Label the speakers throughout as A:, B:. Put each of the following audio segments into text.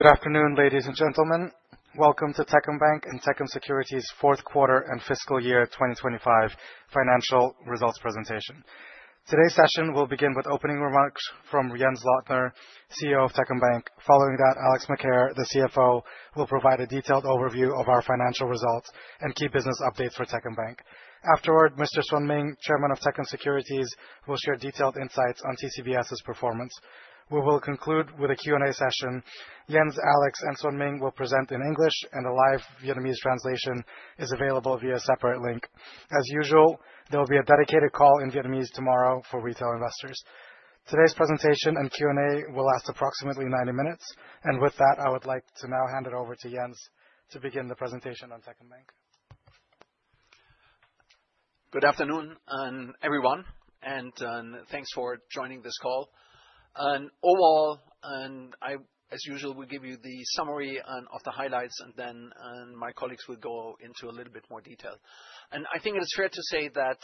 A: Good afternoon, ladies and gentlemen. Welcome to Techcombank and Techcom Securities' fourth quarter and fiscal year 2025 financial results presentation. Today's session will begin with opening remarks from Jens Lottner, CEO of Techcombank. Following that, Alex Macaire, the CFO, will provide a detailed overview of our financial results and key business updates for Techcombank. Afterward, Mr. Xuan Minh, Chairman of Techcom Securities, will share detailed insights on TCBS' performance. We will conclude with a Q&A session. Jens, Alex, and Xuan Minh will present in English, and a live Vietnamese translation is available via a separate link. As usual, there will be a dedicated call in Vietnamese tomorrow for retail investors. Today's presentation and Q&A will last approximately 90 minutes, and with that, I would like to now hand it over to Jens to begin the presentation on Techcombank.
B: Good afternoon, everyone, and thanks for joining this call. Overall, as usual, we'll give you the summary of the highlights, and then my colleagues will go into a little bit more detail. I think it is fair to say that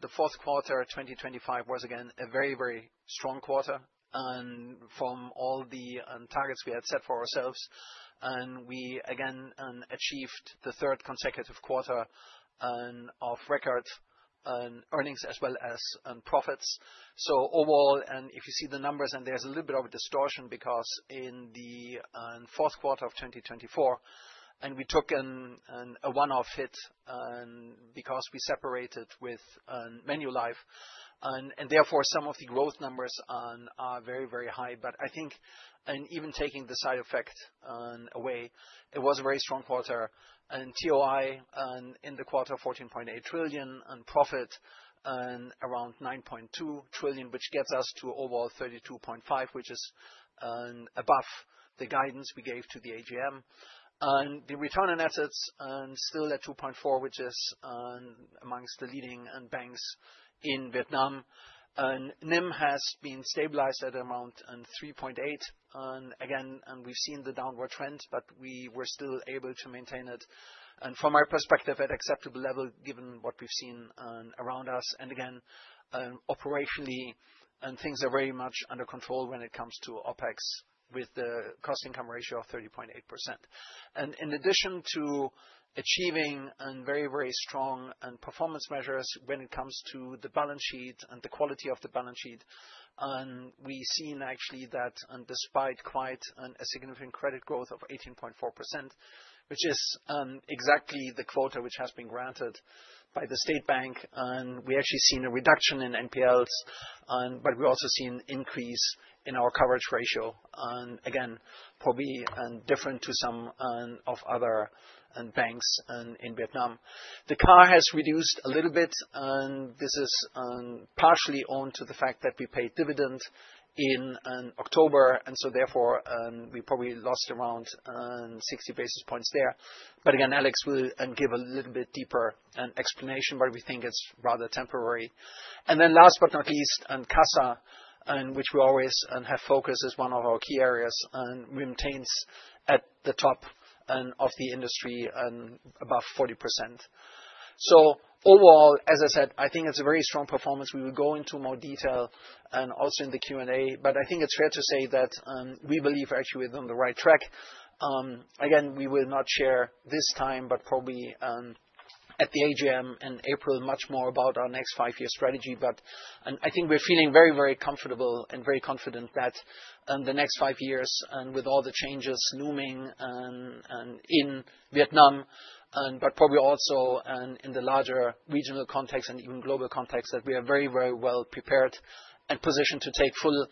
B: the fourth quarter of 2025 was, again, a very, very strong quarter from all the targets we had set for ourselves. We again achieved the third consecutive quarter of record earnings as well as profits, so overall, if you see the numbers, there's a little bit of a distortion because in the fourth quarter of 2024, we took a one-off hit because we separated with Manulife, and therefore some of the growth numbers are very, very high, but I think, even taking the side effect away, it was a very strong quarter. TOI in the quarter, 14.8 trillion, and profit around 9.2 trillion, which gets us to overall 32.5 trillion, which is above the guidance we gave to the AGM. The return on assets is still at 2.4%, which is among the leading banks in Vietnam. NIM has been stabilized at around 3.8%. Again, we've seen the downward trend, but we were still able to maintain it. From our perspective, at an acceptable level, given what we've seen around us. Again, operationally, things are very much under control when it comes to OpEx, with the cost-income ratio of 30.8%. In addition to achieving very, very strong performance measures when it comes to the balance sheet and the quality of the balance sheet, we've seen actually that despite quite a significant credit growth of 18.4%, which is exactly the quota which has been granted by the State Bank, we've actually seen a reduction in NPLs, but we've also seen an increase in our coverage ratio, again, probably different to some of other banks in Vietnam. The CAR has reduced a little bit. This is partially due to the fact that we paid dividend in October, and so therefore we probably lost around 60 basis points there. But again, Alex will give a little bit deeper explanation, but we think it's rather temporary. Last but not least, CASA, which we always have focused, is one of our key areas. We maintain at the top of the industry, above 40%. So overall, as I said, I think it's a very strong performance. We will go into more detail also in the Q&A, but I think it's fair to say that we believe we're actually on the right track. Again, we will not share this time, but probably at the AGM in April, much more about our next five-year strategy. But I think we're feeling very, very comfortable and very confident that in the next five years, with all the changes looming in Vietnam, but probably also in the larger regional context and even global context, that we are very, very well prepared and positioned to take full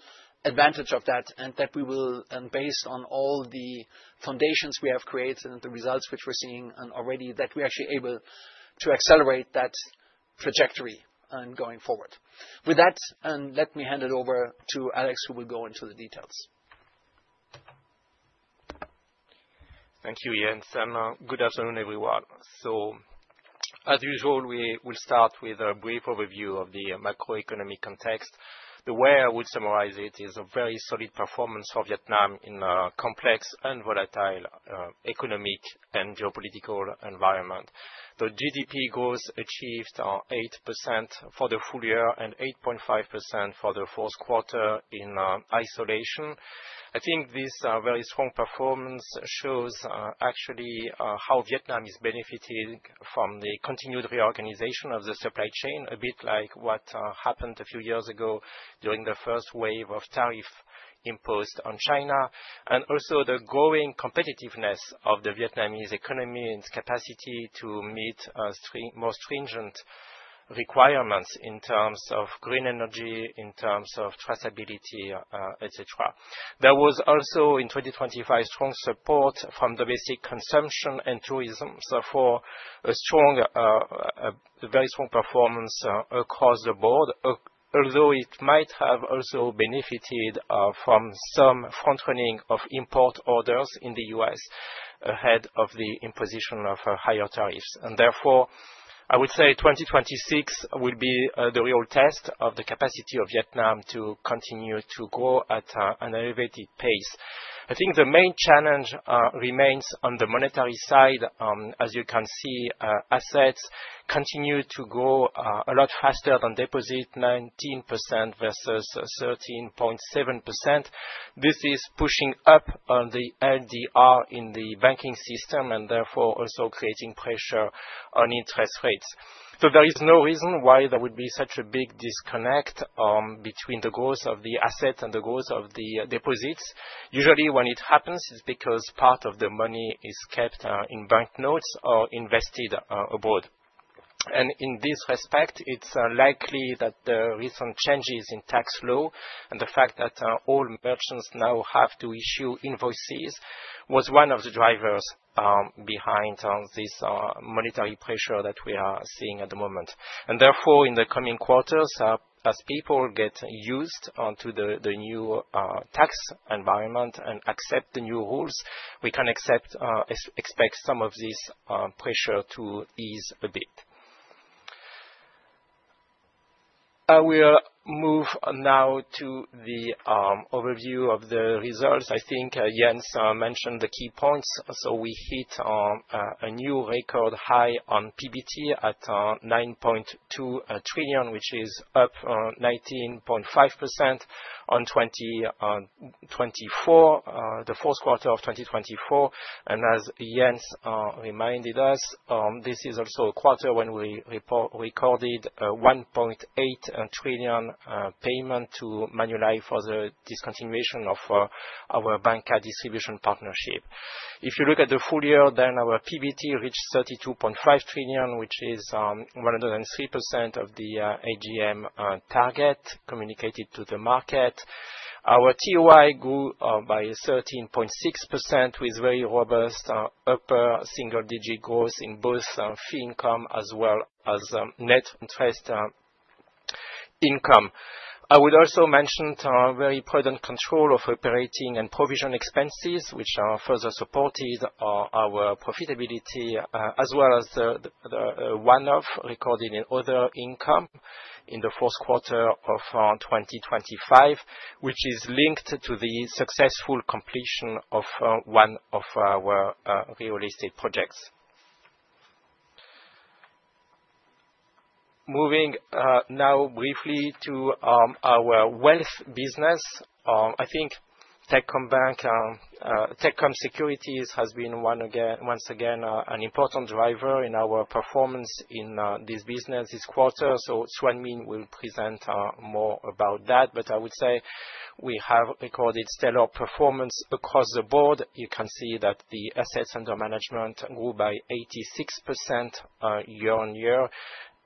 B: advantage of that, and that we will, based on all the foundations we have created and the results which we're seeing already, that we're actually able to accelerate that trajectory going forward. With that, let me hand it over to Alex, who will go into the details.
C: Thank you, Jens. Good afternoon, everyone. So as usual, we will start with a brief overview of the macroeconomic context. The way I would summarize it is a very solid performance for Vietnam in a complex and volatile economic and geopolitical environment. The GDP growth achieved 8% for the full year and 8.5% for the fourth quarter in isolation. I think this very strong performance shows actually how Vietnam is benefiting from the continued reorganization of the supply chain, a bit like what happened a few years ago during the first wave of tariffs imposed on China, and also the growing competitiveness of the Vietnamese economy and its capacity to meet more stringent requirements in terms of green energy, in terms of traceability, etc. There was also in 2025 strong support from domestic consumption and tourism, therefore a very strong performance across the board, although it might have also benefited from some front-running of import orders in the U.S. ahead of the imposition of higher tariffs. Therefore, I would say 2026 will be the real test of the capacity of Vietnam to continue to grow at an elevated pace. I think the main challenge remains on the monetary side. As you can see, assets continue to grow a lot faster than deposits, 19% versus 13.7%. This is pushing up the LDR in the banking system and therefore also creating pressure on interest rates. So there is no reason why there would be such a big disconnect between the growth of the assets and the growth of the deposits. Usually, when it happens, it's because part of the money is kept in banknotes or invested abroad. In this respect, it's likely that the recent changes in tax law and the fact that all merchants now have to issue invoices was one of the drivers behind this monetary pressure that we are seeing at the moment. Therefore, in the coming quarters, as people get used to the new tax environment and accept the new rules, we can expect some of this pressure to ease a bit. I will move now to the overview of the results. I think Jens mentioned the key points. So we hit a new record high on PBT at 9.2 trillion, which is up 19.5% on 2024, the fourth quarter of 2024. As Jens reminded us, this is also a quarter when we recorded 1.8 trillion payment to Manulife for the discontinuation of our bank card distribution partnership. If you look at the full year, then our PBT reached 32.5 trillion, which is 103% of the AGM target communicated to the market. Our TOI grew by 13.6% with very robust upper single-digit growth in both fee income as well as net interest income. I would also mention very prudent control of operating and provision expenses, which further supported our profitability, as well as the one-off recorded in other income in the fourth quarter of 2025, which is linked to the successful completion of one of our real estate projects. Moving now briefly to our wealth business, I think Techcombank, Techcom Securities has been once again an important driver in our performance in this business this quarter. Xuan Minh will present more about that, but I would say we have recorded stellar performance across the board. You can see that the assets under management grew by 86% year on year,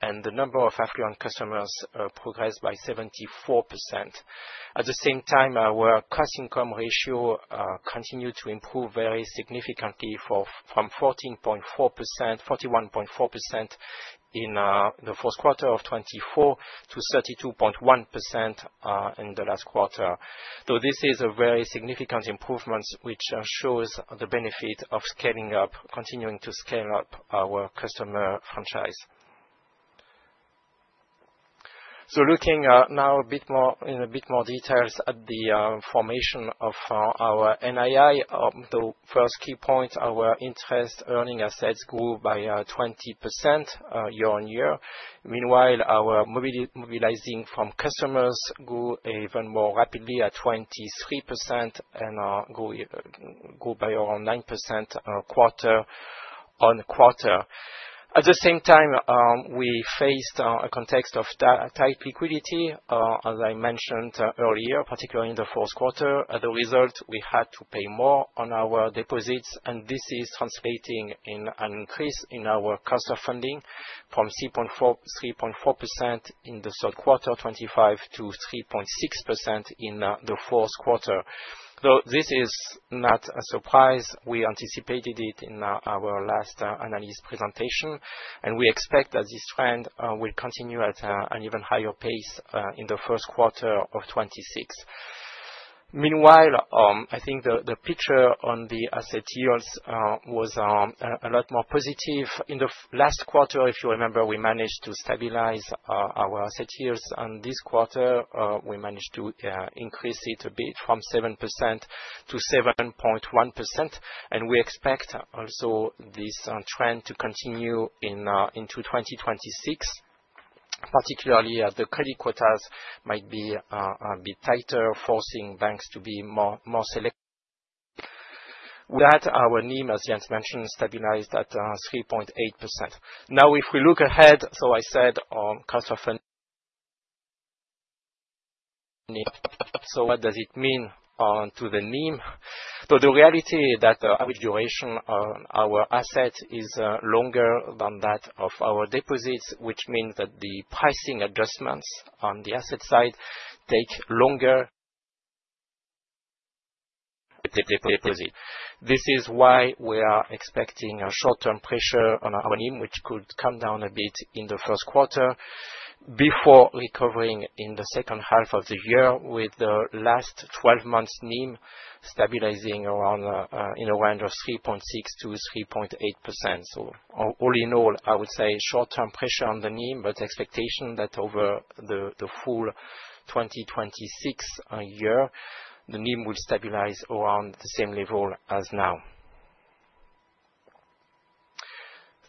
C: and the number of affluent customers progressed by 74%. At the same time, our cost-income ratio continued to improve very significantly from 41.4% in the fourth quarter of 2024 to 32.1% in the last quarter. This is a very significant improvement, which shows the benefit of continuing to scale up our customer franchise. Looking now in a bit more detail at the formation of our NII, the first key point, our interest earning assets grew by 20% year on year. Meanwhile, our mobilizing from customers grew even more rapidly at 23% and grew by around 9% quarter on quarter. At the same time, we faced a context of tight liquidity, as I mentioned earlier, particularly in the fourth quarter. As a result, we had to pay more on our deposits, and this is translating in an increase in our cost of funding from 3.4% in the third quarter 2025 to 3.6% in the fourth quarter. Though this is not a surprise, we anticipated it in our last analyst presentation, and we expect that this trend will continue at an even higher pace in the first quarter of 2026. Meanwhile, I think the picture on the asset yields was a lot more positive. In the last quarter, if you remember, we managed to stabilize our asset yields. This quarter, we managed to increase it a bit from 7% to 7.1%, and we expect also this trend to continue into 2026, particularly as the credit quotas might be a bit tighter, forcing banks to be more selective. With that, our NIM, as Jens mentioned, stabilized at 3.8%. Now, if we look ahead, so I said cost of funding. So what does it mean to the NIM? So the reality is that the average duration of our asset is longer than that of our deposits, which means that the pricing adjustments on the asset side take longer to deposit. This is why we are expecting a short-term pressure on our NIM, which could come down a bit in the first quarter before recovering in the second half of the year, with the last 12 months NIM stabilizing around in a range of 3.6% to 3.8%. So all in all, I would say short-term pressure on the NIM, but expectation that over the full 2026 year, the NIM will stabilize around the same level as now.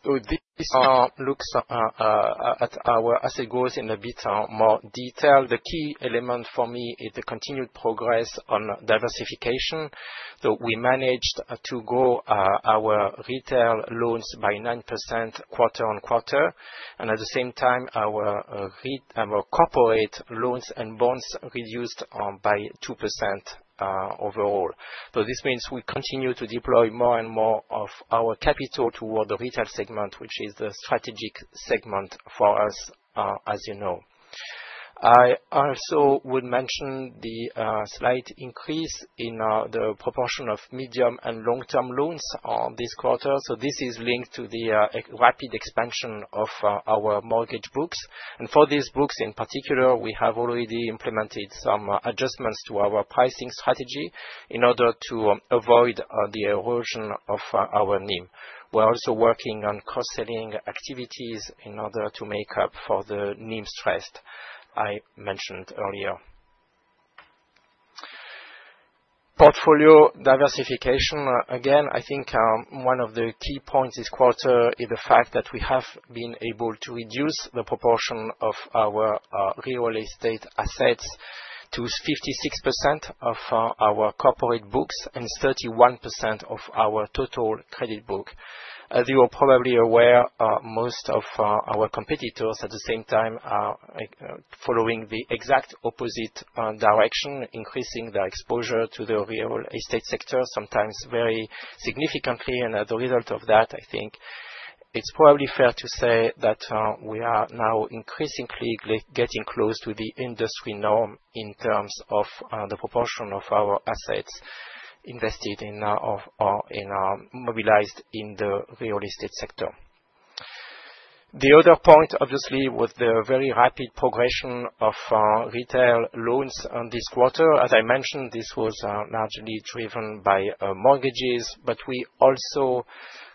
C: So this looks at our asset growth in a bit more detail. The key element for me is the continued progress on diversification. So we managed to grow our retail loans by 9% quarter on quarter, and at the same time, our corporate loans and bonds reduced by 2% overall. So this means we continue to deploy more and more of our capital toward the retail segment, which is the strategic segment for us, as you know. I also would mention the slight increase in the proportion of medium and long-term loans this quarter. So this is linked to the rapid expansion of our mortgage books. And for these books in particular, we have already implemented some adjustments to our pricing strategy in order to avoid the erosion of our NIM. We're also working on cost-cutting activities in order to make up for the NIM stress I mentioned earlier. Portfolio diversification. Again, I think one of the key points this quarter is the fact that we have been able to reduce the proportion of our real estate assets to 56% of our corporate books and 31% of our total credit book. As you are probably aware, most of our competitors at the same time are following the exact opposite direction, increasing their exposure to the real estate sector, sometimes very significantly. As a result of that, I think it's probably fair to say that we are now increasingly getting close to the industry norm in terms of the proportion of our assets invested in or mobilized in the real estate sector. The other point, obviously, was the very rapid progression of retail loans this quarter. As I mentioned, this was largely driven by mortgages, but we also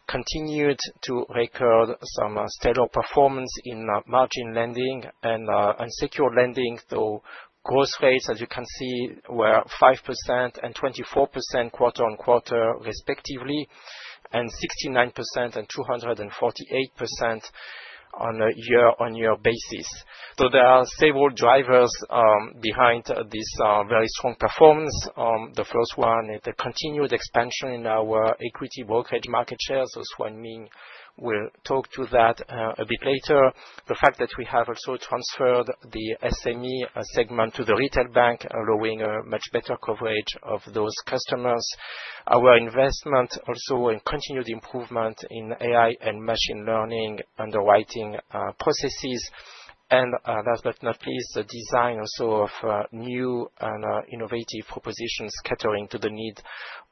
C: continued to record some stellar performance in margin lending and unsecured lending, though growth rates, as you can see, were five% and 24% quarter on quarter, respectively, and 69% and 248% on a year-on-year basis. There are several drivers behind this very strong performance. The first one is the continued expansion in our equity brokerage market shares. Xuan Minh will talk to that a bit later. The fact that we have also transferred the SME segment to the retail bank, allowing a much better coverage of those customers. Our investment also in continued improvement in AI and machine learning underwriting processes. Last but not least, the design also of new and innovative propositions catering to the need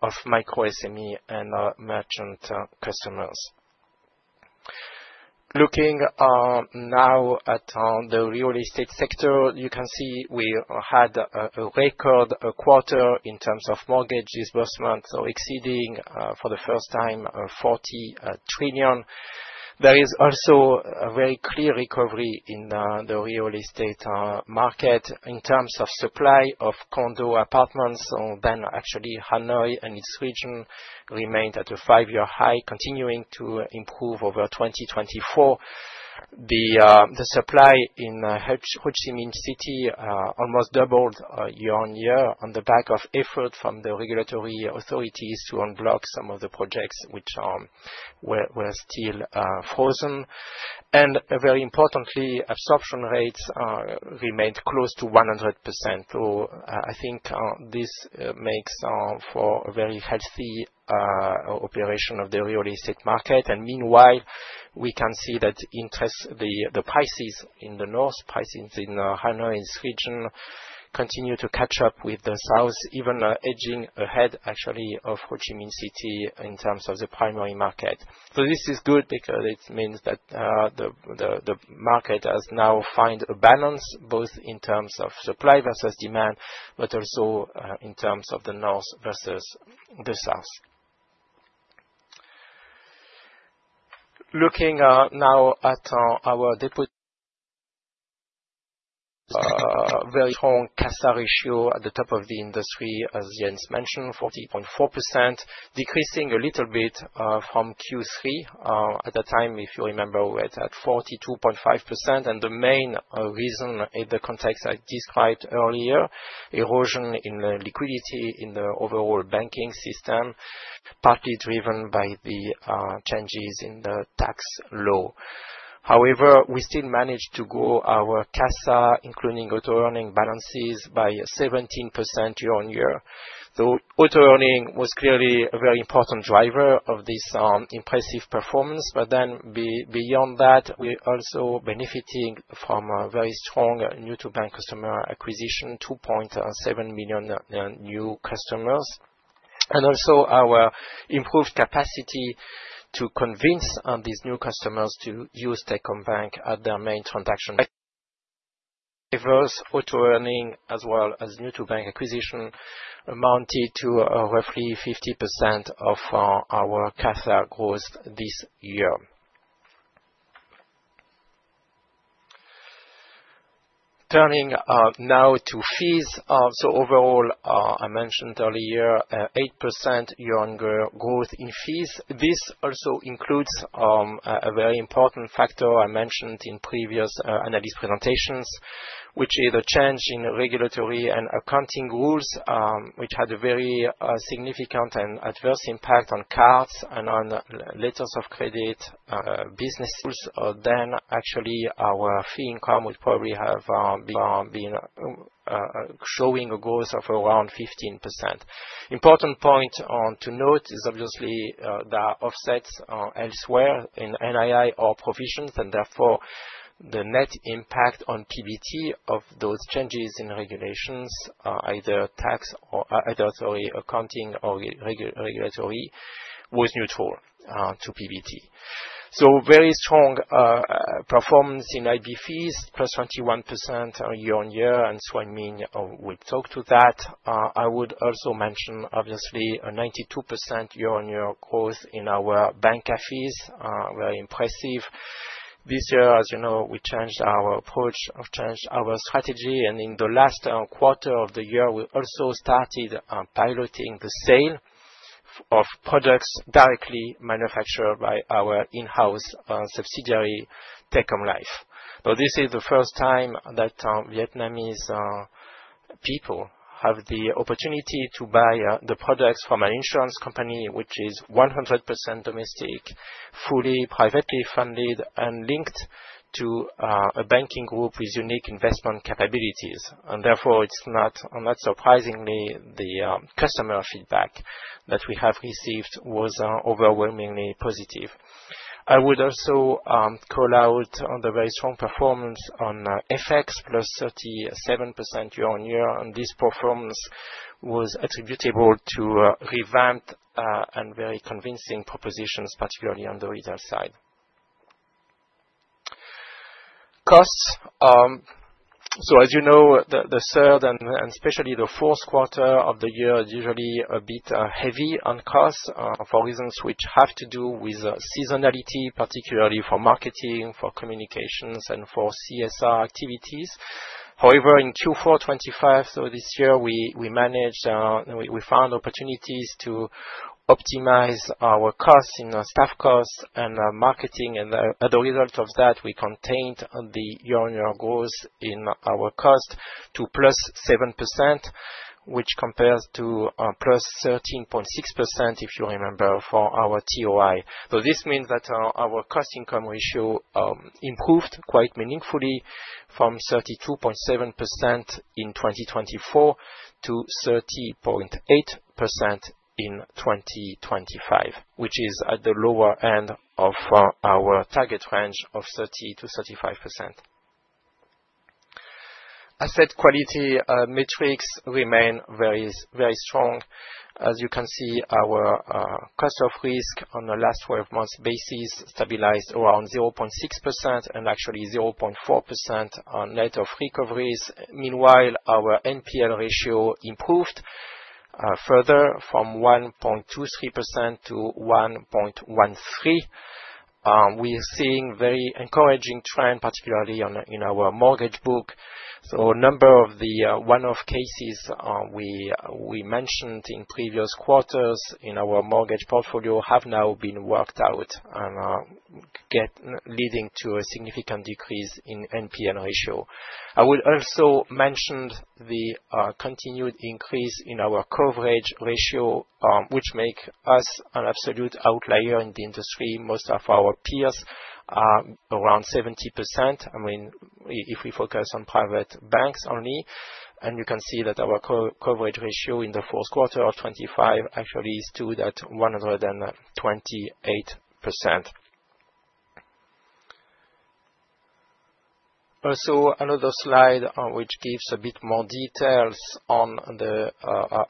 C: of micro-SME and merchant customers. Looking now at the real estate sector, you can see we had a record quarter in terms of mortgage disbursement, so exceeding for the first time 40 trillion. There is also a very clear recovery in the real estate market in terms of supply of condo apartments. Then actually Hanoi and its region remained at a five-year high, continuing to improve over 2024. The supply in Ho Chi Minh City almost doubled year on year on the back of effort from the regulatory authorities to unblock some of the projects which were still frozen, and very importantly, absorption rates remained close to 100%, so I think this makes for a very healthy operation of the real estate market, and meanwhile, we can see that the prices in the north, prices in Hanoi and its region, continue to catch up with the south, even edging ahead actually of Ho Chi Minh City in terms of the primary market, so this is good because it means that the market has now found a balance both in terms of supply versus demand, but also in terms of the north versus the south. Looking now at our deposits, very strong CASA ratio at the top of the industry, as Jens mentioned, 40.4%, decreasing a little bit from Q3. At the time, if you remember, we were at 42.5%. And the main reason is the context I described earlier, erosion in liquidity in the overall banking system, partly driven by the changes in the tax law. However, we still managed to grow our CASA, Auto-Earning balances, by 17% year on year. Auto-Earning was clearly a very important driver of this impressive performance. But then beyond that, we're also benefiting from a very strong new-to-bank customer acquisition, 2.7 million new customers. And also our improved capacity to convince these new customers to use Techcombank at their main transactions. Auto-Earning, as well as new-to-bank acquisition, amounted to roughly 50% of our CASA growth this year. Turning now to fees. Overall, I mentioned earlier, 8% year-on-year growth in fees. This also includes a very important factor I mentioned in previous analyst presentations, which is a change in regulatory and accounting rules, which had a very significant and adverse impact on cards and on letters of credit business. Actually our fee income would probably have been showing a growth of around 15%. Important point to note is obviously there are offsets elsewhere in NII or provisions, and therefore the net impact on PBT of those changes in regulations, either tax or either accounting or regulatory, was neutral to PBT. Very strong performance in IB fees, plus 21% year-on-year, and Xuan Minh will talk to that. I would also mention, obviously, a 92% year-on-year growth in our bank fees, very impressive. This year, as you know, we changed our approach, changed our strategy, and in the last quarter of the year, we also started piloting the sale of products directly manufactured by our in-house subsidiary, Techcom Life. This is the first time that Vietnamese people have the opportunity to buy the products from an insurance company, which is 100% domestic, fully privately funded, and linked to a banking group with unique investment capabilities. Therefore, it's not surprising, the customer feedback that we have received was overwhelmingly positive. I would also call out the very strong performance on FX, plus 37% year-on-year. This performance was attributable to revamped and very convincing propositions, particularly on the retail side. Costs. As you know, the third and especially the fourth quarter of the year is usually a bit heavy on costs for reasons which have to do with seasonality, particularly for marketing, for communications, and for CSR activities. However, in Q4 2025, so this year, we found opportunities to optimize our costs in staff costs and marketing. And as a result of that, we contained the year-on-year growth in our cost to +7%, which compares to +13.6%, if you remember, for our TOI. This means that our cost-income ratio improved quite meaningfully from 32.7% in 2024 to 30.8% in 2025, which is at the lower end of our target range of 30%-35%. Asset quality metrics remain very strong. As you can see, our cost of risk on the last 12 months basis stabilized around 0.6% and actually 0.4% on net of recoveries. Meanwhile, our NPL ratio improved further from 1.23% to 1.13%. We're seeing a very encouraging trend, particularly in our mortgage book. So a number of the one-off cases we mentioned in previous quarters in our mortgage portfolio have now been worked out, leading to a significant decrease in NPL ratio. I will also mention the continued increase in our coverage ratio, which makes us an absolute outlier in the industry. Most of our peers are around 70%. I mean, if we focus on private banks only, and you can see that our coverage ratio in the fourth quarter of 2025 actually stood at 128%. Also, another slide which gives a bit more details on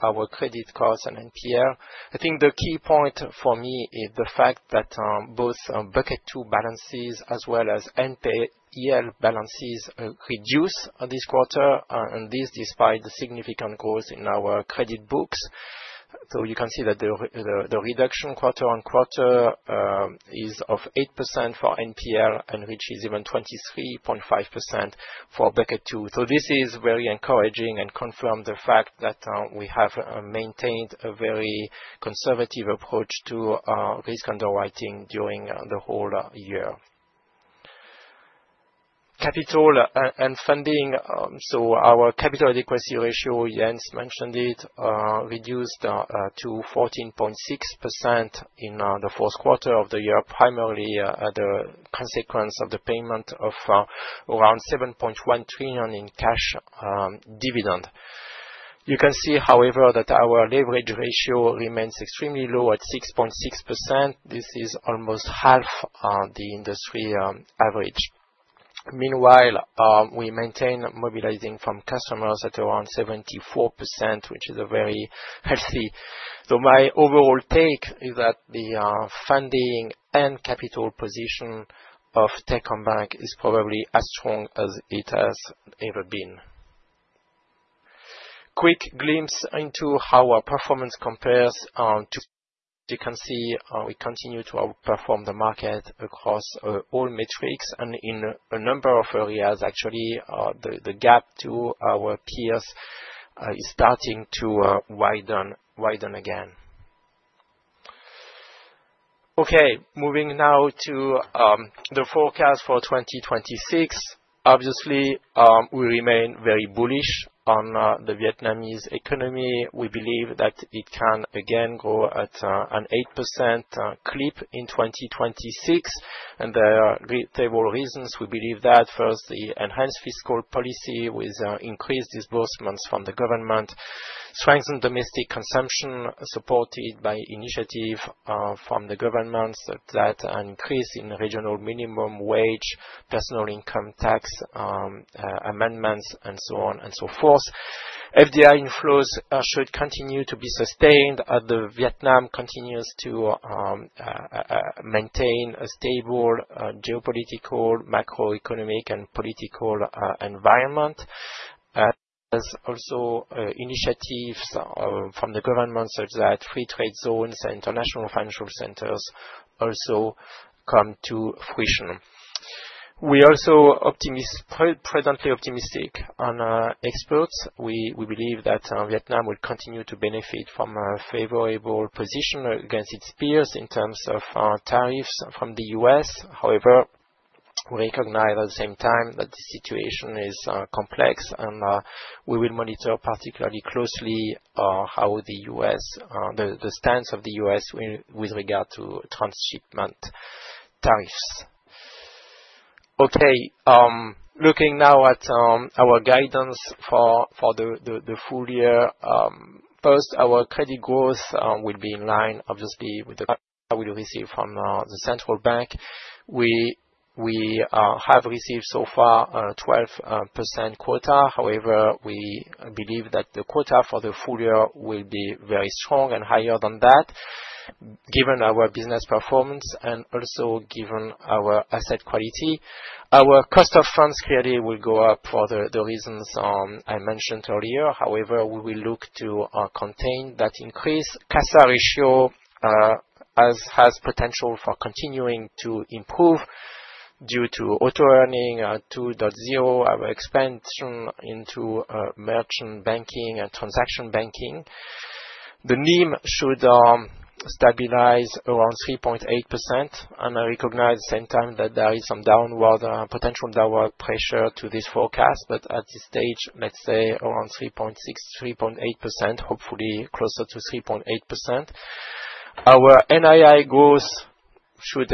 C: our credit costs and NPL. I think the key point for me is the fact that both Bucket 2 balances as well as NPL balances reduce this quarter, and this despite the significant growth in our credit books. So you can see that the reduction quarter on quarter is of 8% for NPL, and which is even 23.5% for Bucket 2. So this is very encouraging and confirms the fact that we have maintained a very conservative approach to risk underwriting during the whole year. Capital and funding. So our capital adequacy ratio, Jens mentioned it, reduced to 14.6% in the fourth quarter of the year, primarily as a consequence of the payment of around 7.1 trillion in cash dividend. You can see, however, that our leverage ratio remains extremely low at 6.6%. This is almost half the industry average. Meanwhile, we maintain mobilizing from customers at around 74%, which is very healthy. So my overall take is that the funding and capital position of Techcombank is probably as strong as it has ever been. Quick glimpse into how our performance compares on. You can see we continue to outperform the market across all metrics and in a number of areas. Actually, the gap to our peers is starting to widen again. Okay, moving now to the forecast for 2026. Obviously, we remain very bullish on the Vietnamese economy. We believe that it can again grow at an 8% clip in 2026. And there are several reasons we believe that. First, the enhanced fiscal policy with increased disbursements from the government strengthens domestic consumption, supported by initiatives from the government such as an increase in regional minimum wage, personal income tax amendments, and so on and so forth. FDI inflows should continue to be sustained as Vietnam continues to maintain a stable geopolitical, macroeconomic, and political environment. There's also initiatives from the government such as free trade zones and international financial centers also come to fruition. We are also presently optimistic on exports. We believe that Vietnam will continue to benefit from a favorable position against its peers in terms of tariffs from the U.S. However, we recognize at the same time that the situation is complex, and we will monitor particularly closely how the U.S., the stance of the U.S. with regard to transshipment tariffs. Okay, looking now at our guidance for the full year, first, our credit growth will be in line, obviously, with the guidance we will receive from the central bank. We have received so far a 12% quota. However, we believe that the quota for the full year will be very strong and higher than that, given our business performance and also given our asset quality. Our cost of funds clearly will go up for the reasons I mentioned earlier. However, we will look to contain that increase. CASA has potential for continuing to improve due to Auto-Earning 2.0, our expansion into merchant banking and transaction banking. The NIM should stabilize around 3.8%, and I recognize at the same time that there is some potential downward pressure to this forecast, but at this stage, let's say around 3.6%, 3.8%, hopefully closer to 3.8%. Our NII growth should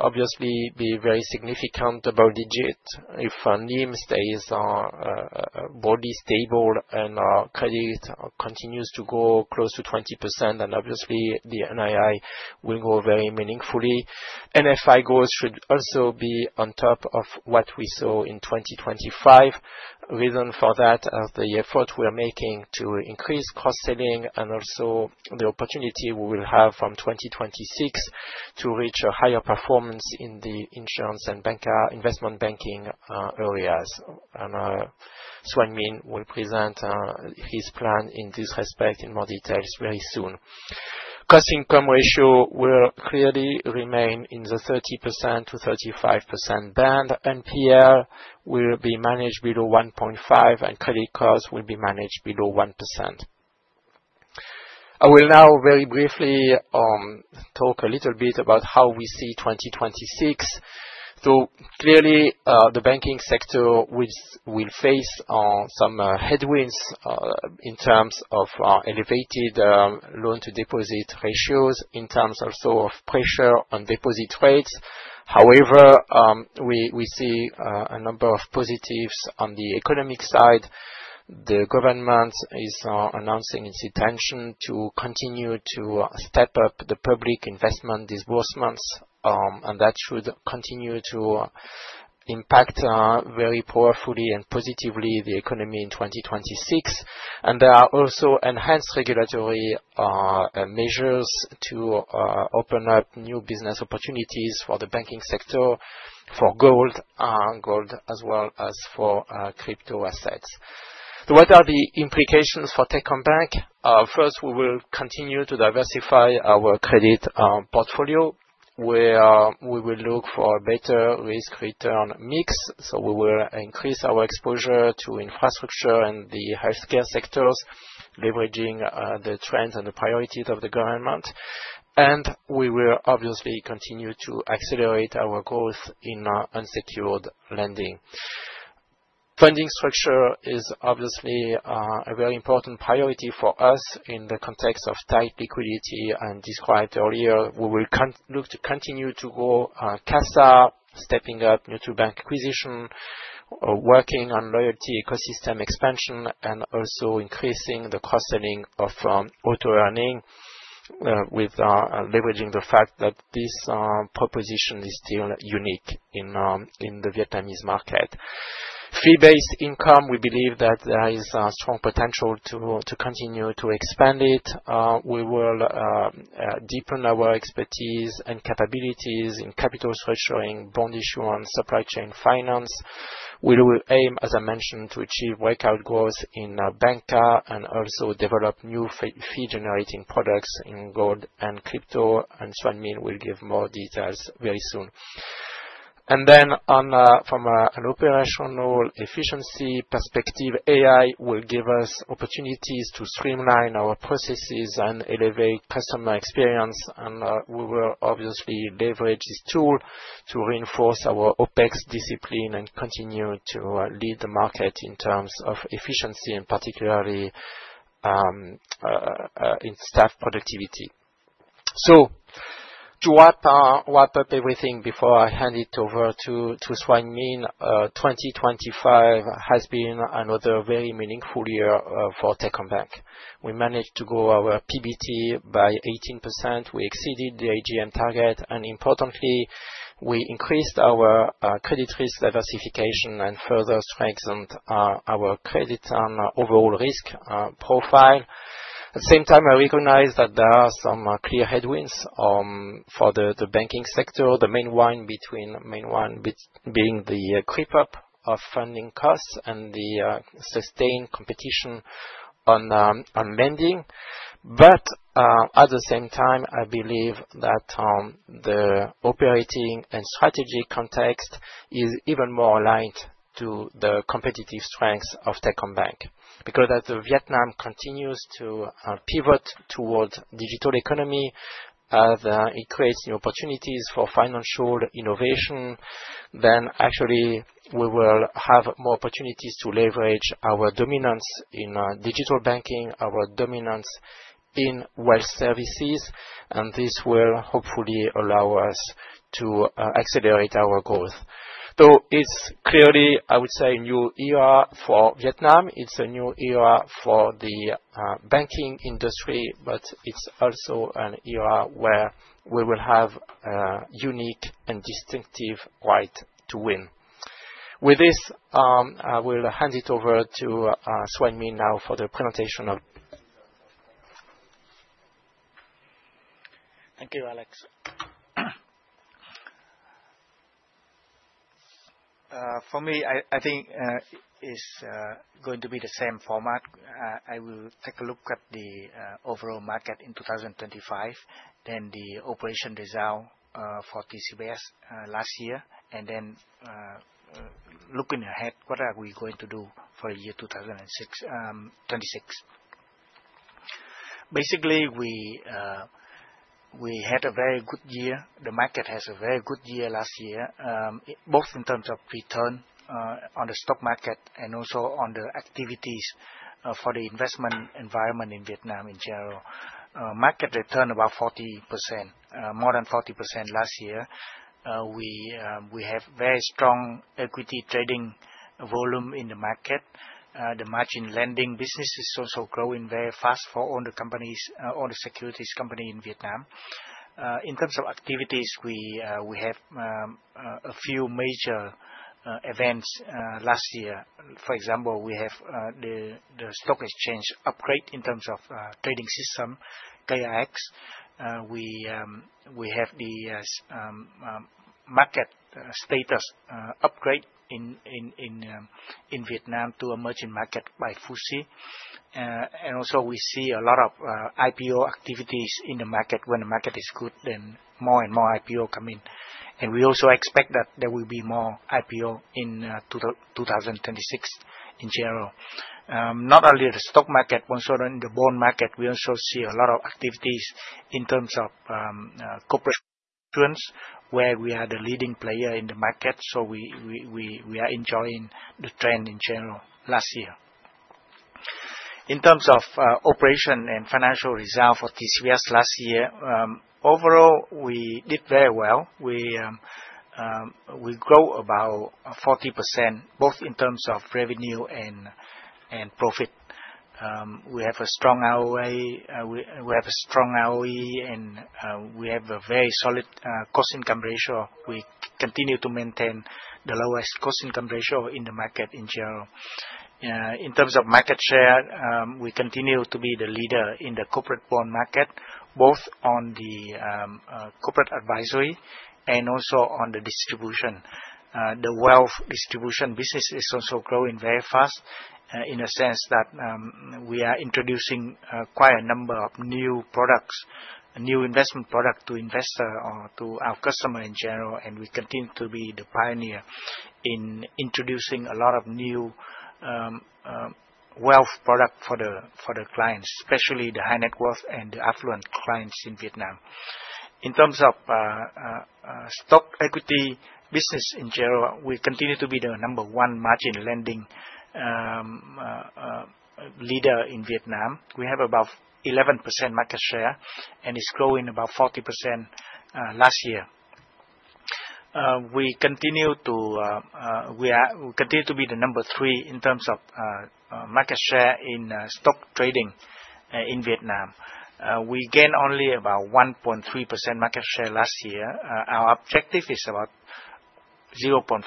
C: obviously be very significant, double-digit. If NIM stays broadly stable and credit continues to grow close to 20%, then obviously the NII will grow very meaningfully. NFI growth should also be on top of what we saw in 2025. The reason for that is the effort we are making to increase cross-selling and also the opportunity we will have from 2026 to reach a higher performance in the insurance and investment banking areas, and Xuan Minh will present his plan in this respect in more details very soon. Cost-income ratio will clearly remain in the 30%-35% band. NPL will be managed below 1.5%, and credit costs will be managed below 1%. I will now very briefly talk a little bit about how we see 2026, so clearly, the banking sector will face some headwinds in terms of elevated loan-to-deposit ratios, in terms also of pressure on deposit rates. However, we see a number of positives on the economic side. The government is announcing its intention to continue to step up the public investment disbursements, and that should continue to impact very powerfully and positively the economy in 2026. And there are also enhanced regulatory measures to open up new business opportunities for the banking sector, for gold, gold as well as for crypto assets. So what are the implications for Techcombank? First, we will continue to diversify our credit portfolio. We will look for a better risk-return mix. So we will increase our exposure to infrastructure and the healthcare sectors, leveraging the trends and the priorities of the government. And we will obviously continue to accelerate our growth in unsecured lending. Funding structure is obviously a very important priority for us in the context of tight liquidity. As described earlier, we will look to continue to grow CASA, stepping up mobile banking acquisition, working on loyalty ecosystem expansion, and also increasing the cross-selling of Auto-Earning with leveraging the fact that this proposition is still unique in the Vietnamese market. Fee-based income, we believe that there is a strong potential to continue to expand it. We will deepen our expertise and capabilities in capital structuring, bond issuance, supply chain finance. We will aim, as I mentioned, to achieve double-digit growth in banking and also develop new fee-generating products in gold and crypto. Xuan Minh will give more details very soon. Then from an operational efficiency perspective, AI will give us opportunities to streamline our processes and elevate customer experience. And we will obviously leverage this tool to reinforce our OpEx discipline and continue to lead the market in terms of efficiency, and particularly in staff productivity. So to wrap up everything before I hand it over to Xuan Minh, 2025 has been another very meaningful year for Techcombank. We managed to grow our PBT by 18%. We exceeded the AGM target. And importantly, we increased our credit risk diversification and further strengthened our credit and overall risk profile. At the same time, I recognize that there are some clear headwinds for the banking sector, the main one being the creep-up of funding costs and the sustained competition on lending. But at the same time, I believe that the operating and strategic context is even more aligned to the competitive strengths of Techcombank. Because as Vietnam continues to pivot towards digital economy, it creates new opportunities for financial innovation. Then actually, we will have more opportunities to leverage our dominance in digital banking, our dominance in wealth services. And this will hopefully allow us to accelerate our growth. So it's clearly, I would say, a new era for Vietnam. It's a new era for the banking industry, but it's also an era where we will have a unique and distinctive right to win. With this, I will hand it over to Xuan Minh now for the presentation of.
D: Thank you, Alex. For me, I think it's going to be the same format. I will take a look at the overall market in 2025, then the operation result for TCBS last year, and then looking ahead, what are we going to do for the year 2026. Basically, we had a very good year. The market has a very good year last year, both in terms of return on the stock market and also on the activities for the investment environment in Vietnam in general. Market return about 40%, more than 40% last year. We have very strong equity trading volume in the market. The margin lending business is also growing very fast for all the companies, all the securities companies in Vietnam. In terms of activities, we had a few major events last year. For example, we have the stock exchange upgrade in terms of trading system, KRX. We have the market status upgrade in Vietnam to an emerging market by FTSE Russell. We also see a lot of IPO activities in the market. When the market is good, then more and more IPO come in. We also expect that there will be more IPO in 2026 in general. Not only the stock market, but also in the bond market, we also see a lot of activities in terms of corporate issuance, where we are the leading player in the market. So we are enjoying the trend in general last year. In terms of operation and financial result for TCBS last year, overall, we did very well. We grew about 40%, both in terms of revenue and profit. We have a strong ROA. We have a strong ROE, and we have a very solid cost-income ratio. We continue to maintain the lowest cost-income ratio in the market in general. In terms of market share, we continue to be the leader in the corporate bond market, both on the corporate advisory and also on the distribution. The wealth distribution business is also growing very fast in a sense that we are introducing quite a number of new products, new investment products to investors or to our customers in general. We continue to be the pioneer in introducing a lot of new wealth products for the clients, especially the high-net-worth and the affluent clients in Vietnam. In terms of stock equity business in general, we continue to be the number one margin lending leader in Vietnam. We have about 11% market share and it's growing about 40% last year. We continue to be the number three in terms of market share in stock trading in Vietnam. We gained only about 1.3% market share last year. Our objective is about 0.5%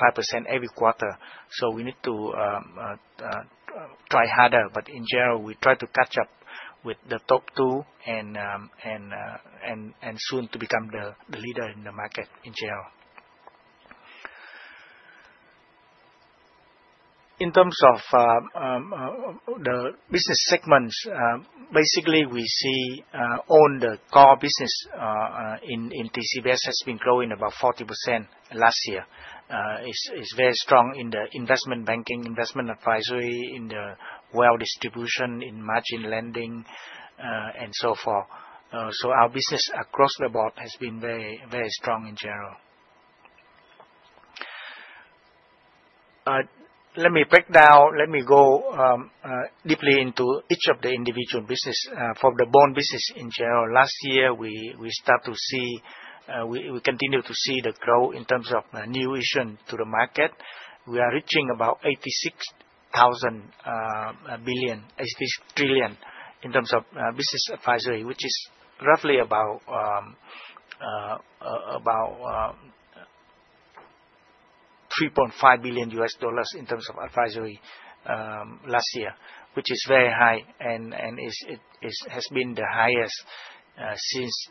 D: every quarter. So we need to try harder, but in general, we try to catch up with the top two and soon to become the leader in the market in general. In terms of the business segments, basically, we see on the core business in TCBS has been growing about 40% last year. It's very strong in the investment banking, investment advisory, in the wealth distribution, in margin lending, and so forth. So our business across the board has been very, very strong in general. Let me break down, let me go deeply into each of the individual business. For the bond business in general, last year we start to see, we continue to see the growth in terms of new issues to the market. We are reaching about 86,000 billion, 86 trillion in terms of business advisory, which is roughly about $3.5 billion in terms of advisory last year, which is very high and has been the highest since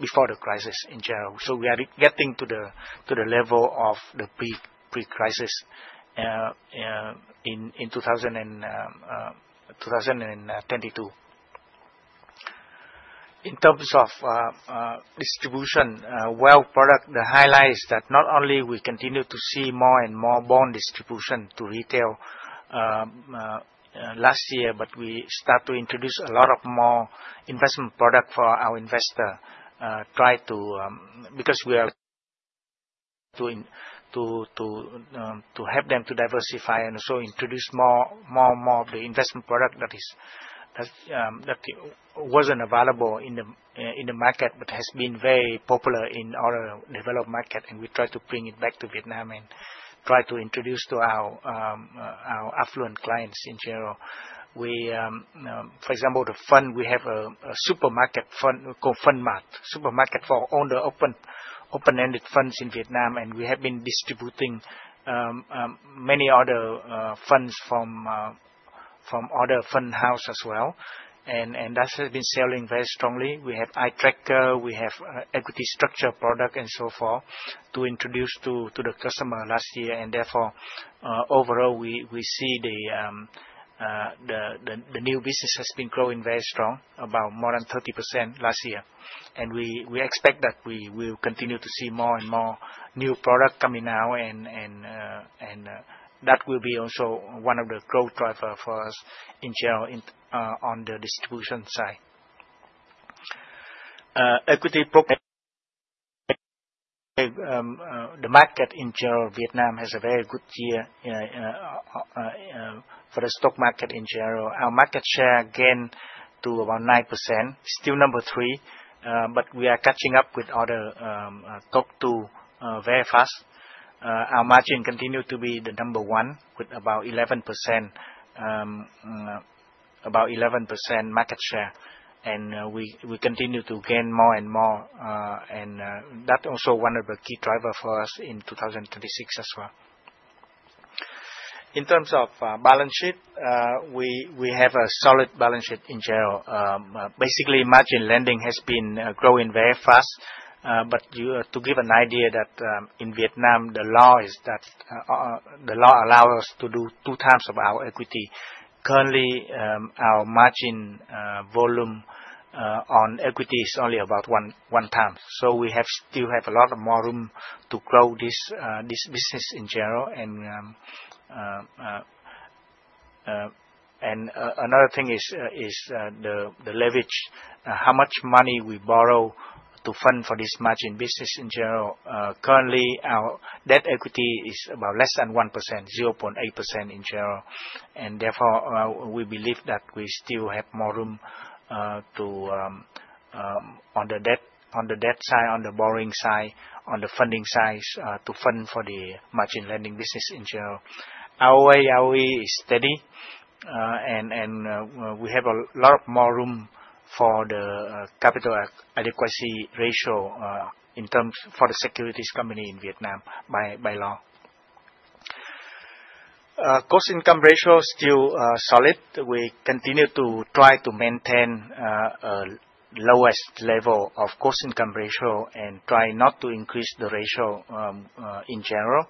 D: before the crisis in general, so we are getting to the level of the pre-crisis in 2022. In terms of distribution, wealth product, the highlight is that not only we continue to see more and more bond distribution to retail last year, but we start to introduce a lot of more investment products for our investors. Try to, because we are to help them to diversify and also introduce more and more of the investment product that wasn't available in the market, but has been very popular in other developed markets, and we try to bring it back to Vietnam and try to introduce to our affluent clients in general. For example, the fund. We have a supermarket fund called FundMart, supermarket for all the open-ended funds in Vietnam, and we have been distributing many other funds from other fund houses as well, and that has been selling very strongly. We have iTracker, we have equity structured products, and so forth to introduce to the customer last year, and therefore, overall, we see the new business has been growing very strong, about more than 30% last year, and we expect that we will continue to see more and more new products coming out, and that will be also one of the growth drivers for us in general on the distribution side. Equity program, the market in general, Vietnam has a very good year for the stock market in general. Our market share again to about 9%, still number three, but we are catching up with other top two very fast. Our margin continues to be the number one with about 11%, about 11% market share. And we continue to gain more and more. And that's also one of the key drivers for us in 2026 as well. In terms of balance sheet, we have a solid balance sheet in general. Basically, margin lending has been growing very fast. But to give an idea that in Vietnam, the law allows us to do two times of our equity. Currently, our margin volume on equity is only about one time. So we still have a lot of more room to grow this business in general. And another thing is the leverage, how much money we borrow to fund for this margin business in general. Currently, our debt equity is about less than 1%, 0.8% in general. Therefore, we believe that we still have more room on the debt side, on the borrowing side, on the funding side to fund for the margin lending business in general. Our ROE is steady, and we have a lot of more room for the capital adequacy ratio in terms for the securities company in Vietnam by law. Cost-income ratio is still solid. We continue to try to maintain a lowest level of cost-income ratio and try not to increase the ratio in general.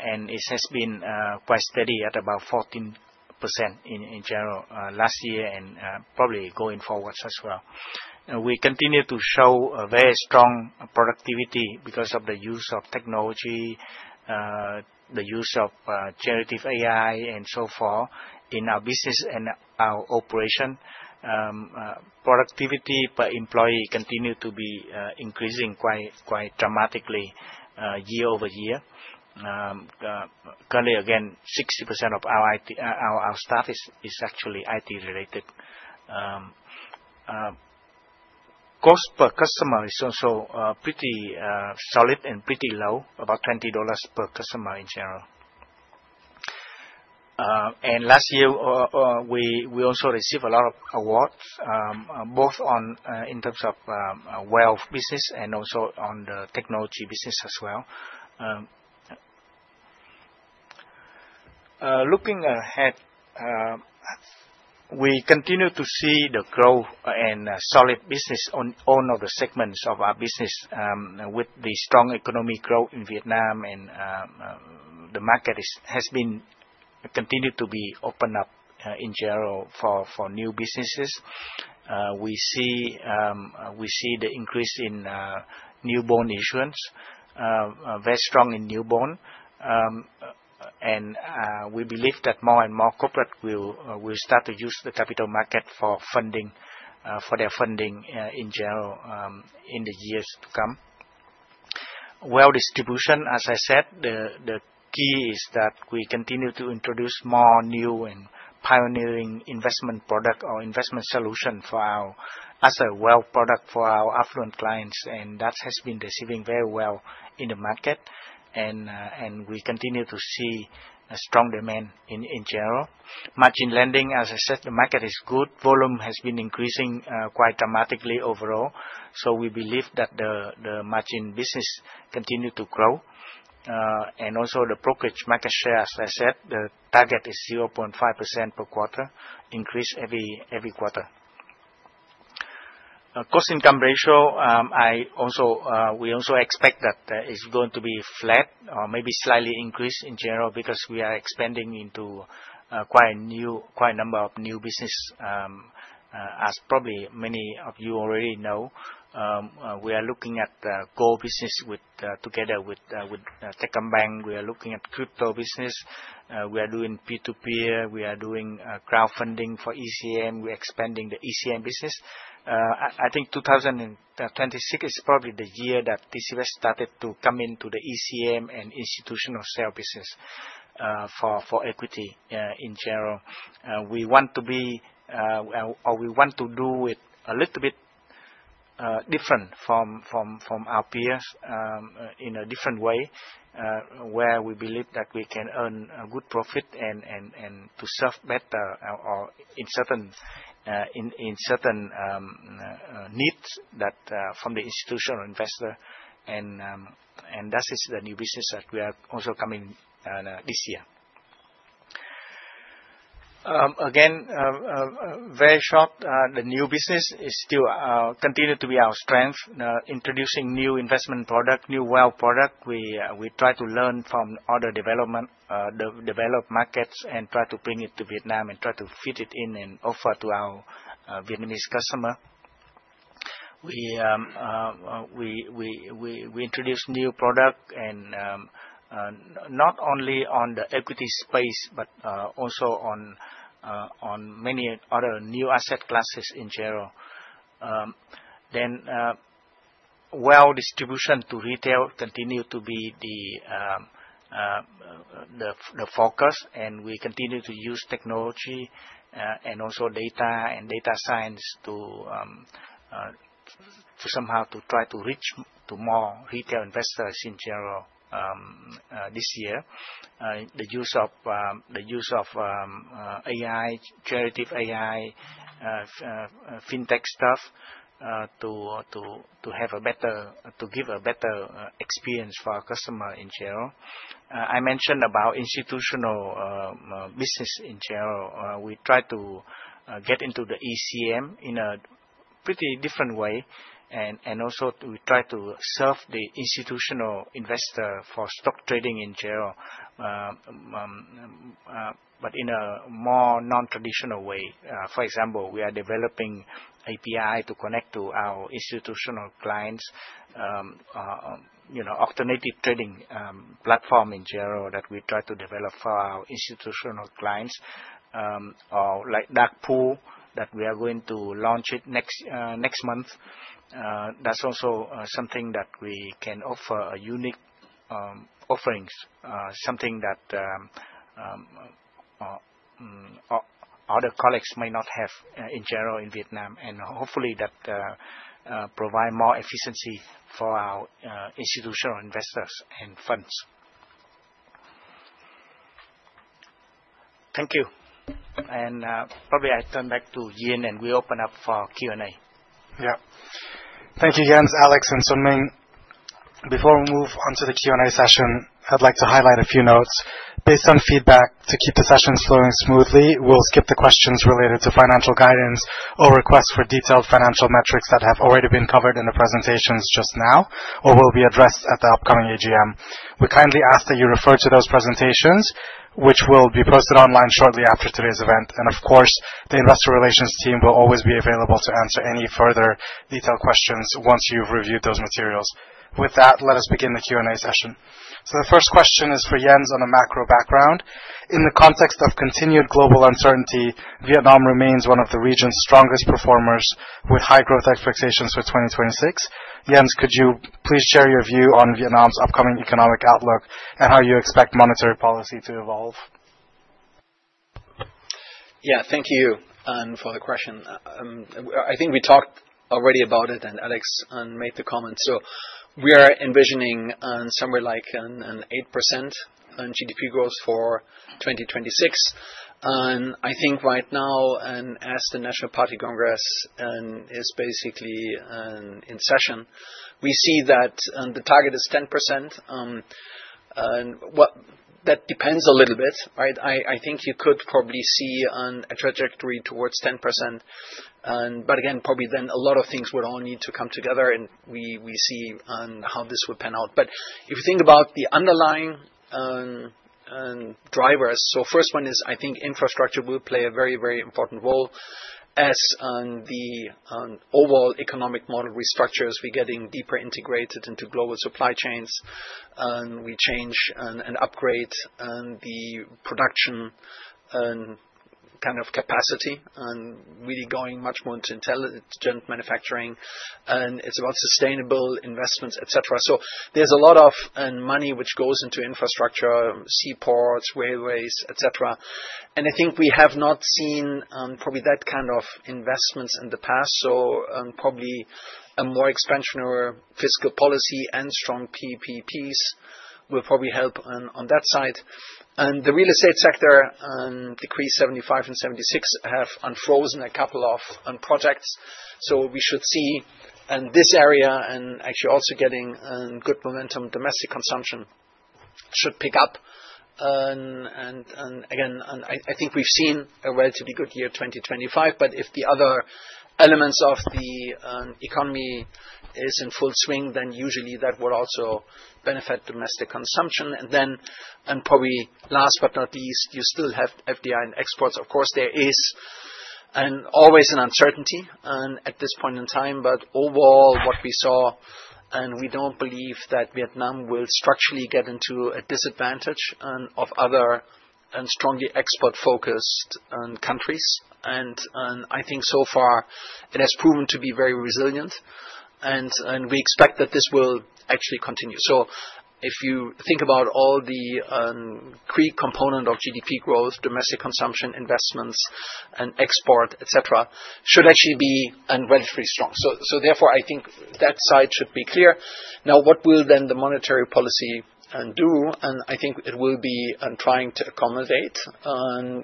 D: And it has been quite steady at about 14% in general last year and probably going forward as well. We continue to show a very strong productivity because of the use of technology, the use of generative AI, and so forth in our business and our operation. Productivity per employee continues to be increasing quite dramatically year-over-year. Currently, again, 60% of our staff is actually IT-related. Cost per customer is also pretty solid and pretty low, about $20 per customer in general, and last year, we also received a lot of awards, both in terms of wealth business and also on the technology business as well. Looking ahead, we continue to see the growth and solid business on all of the segments of our business with the strong economic growth in Vietnam, and the market has continued to be opened up in general for new businesses. We see the increase in new bond issuance, very strong in new bond, and we believe that more and more corporates will start to use the capital market for their funding in general in the years to come. Wealth distribution, as I said, the key is that we continue to introduce more new and pioneering investment products or investment solutions as a wealth product for our affluent clients. And that has been receiving very well in the market. And we continue to see a strong demand in general. Margin lending, as I said, the market is good. Volume has been increasing quite dramatically overall. So we believe that the margin business continues to grow. And also the brokerage market share, as I said, the target is 0.5% per quarter, increase every quarter. Cost-income ratio, we also expect that it's going to be flat or maybe slightly increased in general because we are expanding into quite a number of new businesses. As probably many of you already know, we are looking at core business together with Techcombank. We are looking at crypto business. We are doing peer-to-peer. We are doing crowdfunding for ECM. We are expanding the ECM business. I think 2026 is probably the year that TCBS started to come into the ECM and institutional sale business for equity in general. We want to be, or we want to do it a little bit different from our peers in a different way where we believe that we can earn a good profit and to serve better in certain needs from the institutional investor. And that is the new business that we are also coming this year. Again, very short, the new business continues to be our strength, introducing new investment products, new wealth products. We try to learn from other developed markets and try to bring it to Vietnam and try to fit it in and offer to our Vietnamese customers. We introduce new products not only on the equity space, but also on many other new asset classes in general. Then wealth distribution to retail continues to be the focus. And we continue to use technology and also data and data science to somehow try to reach more retail investors in general this year. The use of AI, generative AI, fintech stuff to give a better experience for our customers in general. I mentioned about institutional business in general. We try to get into the ECM in a pretty different way. And also we try to serve the institutional investor for stock trading in general, but in a more non-traditional way. For example, we are developing API to connect to our institutional clients, alternative trading platform in general that we try to develop for our institutional clients, or like Dark Pool that we are going to launch next month. That's also something that we can offer a unique offering, something that other colleagues may not have in general in Vietnam. And hopefully, that provides more efficiency for our institutional investors and funds. Thank you. And probably I turn back to Jens and we open up for Q&A.
A: Yeah. Thank you again, Alex and Xuan Minh. Before we move on to the Q&A session, I'd like to highlight a few notes. Based on feedback, to keep the sessions flowing smoothly, we'll skip the questions related to financial guidance or requests for detailed financial metrics that have already been covered in the presentations just now or will be addressed at the upcoming AGM. We kindly ask that you refer to those presentations, which will be posted online shortly after today's event. Of course, the investor relations team will always be available to answer any further detailed questions once you've reviewed those materials. With that, let us begin the Q&A session. The first question is for Jens on a macro background. In the context of continued global uncertainty, Vietnam remains one of the region's strongest performers with high growth expectations for 2026. Jens, could you please share your view on Vietnam's upcoming economic outlook and how you expect monetary policy to evolve?
B: Yeah, thank you for the question. I think we talked already about it, and Alex made the comment. We are envisioning somewhere like an 8% GDP growth for 2026. I think right now, as the National Party Congress is basically in session, we see that the target is 10%. That depends a little bit, right? I think you could probably see a trajectory towards 10%. But again, probably then a lot of things would all need to come together, and we see how this would pan out. But if you think about the underlying drivers, so first one is, I think infrastructure will play a very, very important role as the overall economic model restructures. We're getting deeper integrated into global supply chains. We change and upgrade the production kind of capacity, really going much more into intelligent manufacturing. And it's about sustainable investments, etc. So there's a lot of money which goes into infrastructure, seaports, railways, etc. And I think we have not seen probably that kind of investments in the past. So probably a more expansionary fiscal policy and strong PPPs will probably help on that side. And the real estate sector, Decree 75 and 76, have unfrozen a couple of projects. We should see this area and actually also getting good momentum. Domestic consumption should pick up. Again, I think we've seen a relatively good year 2025. But if the other elements of the economy are in full swing, then usually that would also benefit domestic consumption. Then probably last but not least, you still have FDI and exports. Of course, there is always an uncertainty at this point in time. But overall, what we saw, and we don't believe that Vietnam will structurally get into a disadvantage of other strongly export-focused countries. And I think so far it has proven to be very resilient. And we expect that this will actually continue. If you think about all the three components of GDP growth, domestic consumption, investments, and export, etc., should actually be relatively strong. Therefore, I think that side should be clear. Now, what will then the monetary policy do, and I think it will be trying to accommodate.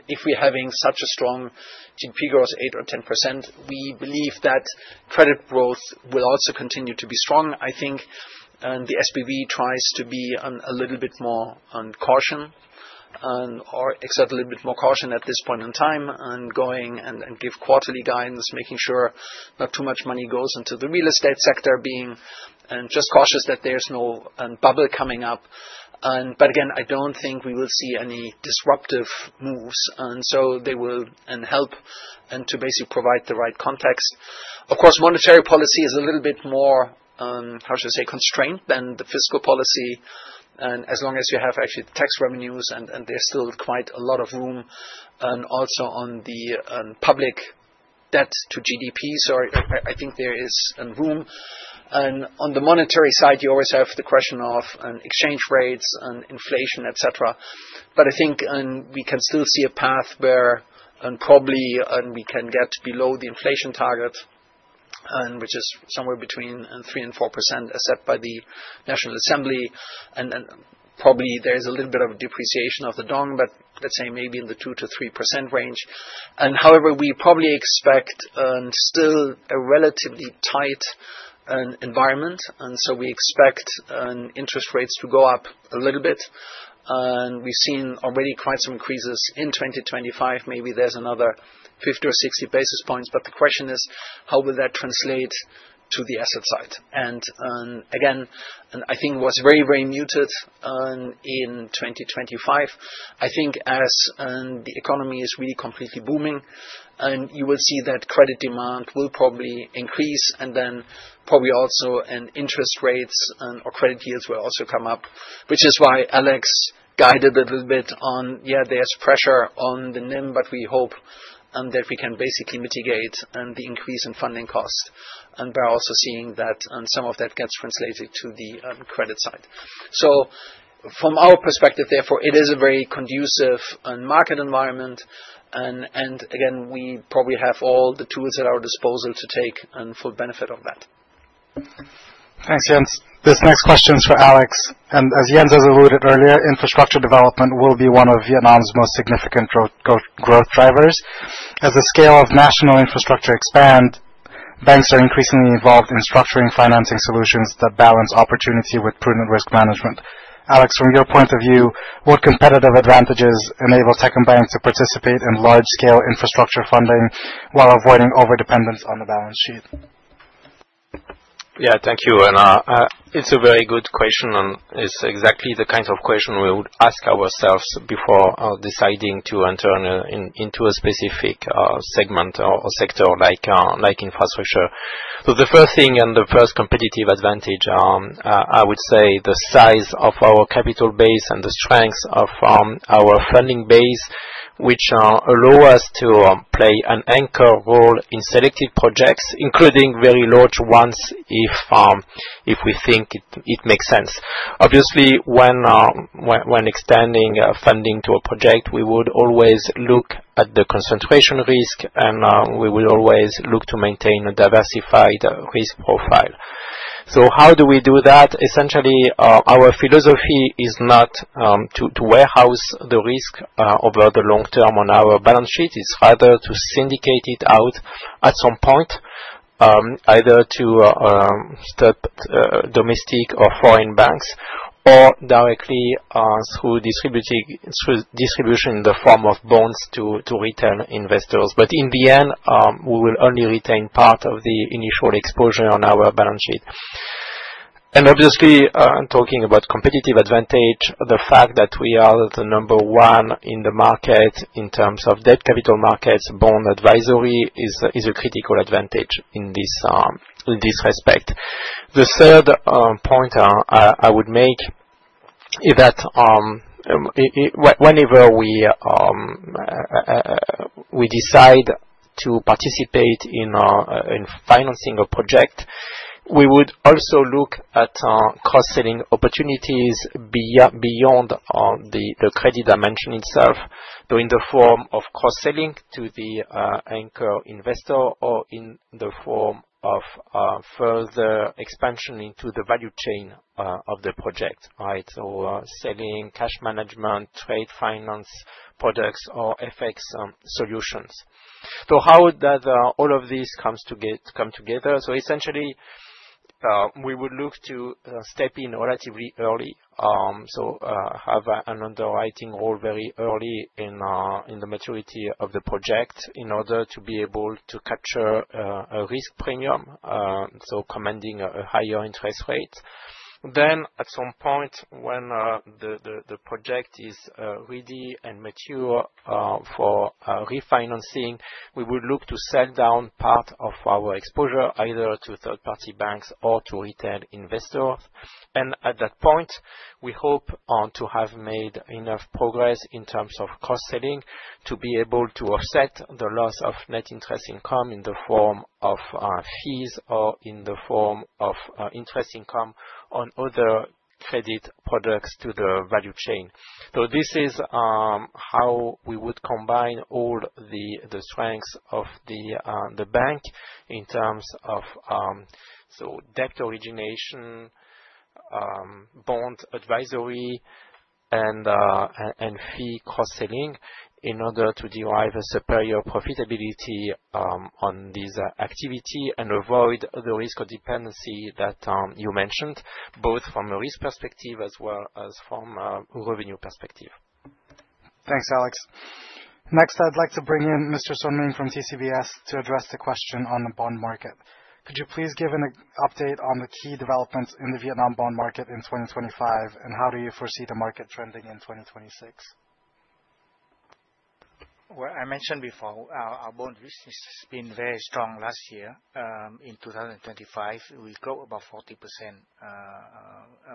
B: If we're having such a strong GDP growth, 8%-10%, we believe that credit growth will also continue to be strong. I think the SBV tries to be a little bit more caution or exert a little bit more caution at this point in time and give quarterly guidance, making sure not too much money goes into the real estate sector, being just cautious that there's no bubble coming up, but again, I don't think we will see any disruptive moves, and so they will help to basically provide the right context. Of course, monetary policy is a little bit more, how should I say, constrained than the fiscal policy. As long as you have actually tax revenues, and there's still quite a lot of room also on the public debt to GDP. So I think there is room. And on the monetary side, you always have the question of exchange rates and inflation, etc. But I think we can still see a path where probably we can get below the inflation target, which is somewhere between 3%-4%, as set by the National Assembly. And probably there is a little bit of depreciation of the dong, but let's say maybe in the 2%-3% range. And however, we probably expect still a relatively tight environment. And so we expect interest rates to go up a little bit. We've seen already quite some increases in 2025. Maybe there's another 50 or 60 basis points. But the question is, how will that translate to the asset side? And again, I think it was very, very muted in 2025. I think as the economy is really completely booming, you will see that credit demand will probably increase. And then probably also interest rates or credit yields will also come up, which is why Alex guided a little bit on, yeah, there's pressure on the NIM, but we hope that we can basically mitigate the increase in funding costs. And we're also seeing that some of that gets translated to the credit side. So from our perspective, therefore, it is a very conducive market environment. And again, we probably have all the tools at our disposal to take full benefit of that.
A: Thanks, Jens. This next question is for Alex. And as Jens has alluded earlier, infrastructure development will be one of Vietnam's most significant growth drivers. As the scale of national infrastructure expands, banks are increasingly involved in structuring financing solutions that balance opportunity with prudent risk management. Alex, from your point of view, what competitive advantages enable Techcombank to participate in large-scale infrastructure funding while avoiding over-dependence on the balance sheet?
C: Yeah, thank you. And it's a very good question. It's exactly the kind of question we would ask ourselves before deciding to enter into a specific segment or sector like infrastructure. So the first thing and the first competitive advantage are, I would say, the size of our capital base and the strengths of our funding base, which allow us to play an anchor role in selective projects, including very large ones if we think it makes sense. Obviously, when extending funding to a project, we would always look at the concentration risk, and we would always look to maintain a diversified risk profile. So how do we do that? Essentially, our philosophy is not to warehouse the risk over the long term on our balance sheet. It's rather to syndicate it out at some point, either to other domestic or foreign banks or directly through distribution in the form of bonds to retail investors. But in the end, we will only retain part of the initial exposure on our balance sheet. And obviously, talking about competitive advantage, the fact that we are the number one in the market in terms of debt capital markets, bond advisory is a critical advantage in this respect. The third point I would make is that whenever we decide to participate in financing a project, we would also look at cross-selling opportunities beyond the credit dimension itself, though in the form of cross-selling to the anchor investor or in the form of further expansion into the value chain of the project, right? So selling cash management, trade finance products, or FX solutions. So how does all of this come together? So essentially, we would look to step in relatively early, so have an underwriting role very early in the maturity of the project in order to be able to capture a risk premium, so commanding a higher interest rate. Then at some point, when the project is ready and mature for refinancing, we would look to sell down part of our exposure either to third-party banks or to retail investors. And at that point, we hope to have made enough progress in terms of cross-selling to be able to offset the loss of net interest income in the form of fees or in the form of interest income on other credit products to the value chain. So this is how we would combine all the strengths of the bank in terms of debt origination, bond advisory, and fee cross-selling in order to derive a superior profitability on this activity and avoid the risk of dependency that you mentioned, both from a risk perspective as well as from a revenue perspective.
A: Thanks, Alex. Next, I'd like to bring in Mr. Xuan Minh from TCBS to address the question on the bond market. Could you please give an update on the key developments in the Vietnam bond market in 2025, and how do you foresee the market trending in 2026?
D: Well, I mentioned before, our bond business has been very strong last year. In 2025, we grew about 40%.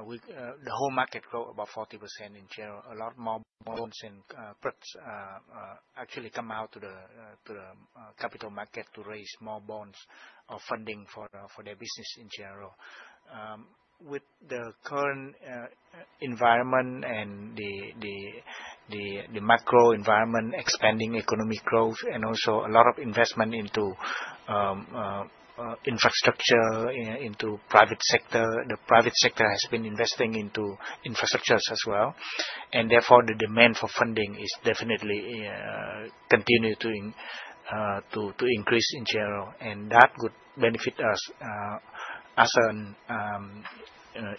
D: The whole market grew about 40% in general. A lot more bonds and products actually come out to the capital market to raise more bonds or funding for their business in general. With the current environment and the macro environment, expanding economic growth, and also a lot of investment into infrastructure, into private sector, the private sector has been investing into infrastructures as well. And therefore, the demand for funding is definitely continuing to increase in general. And that would benefit us as an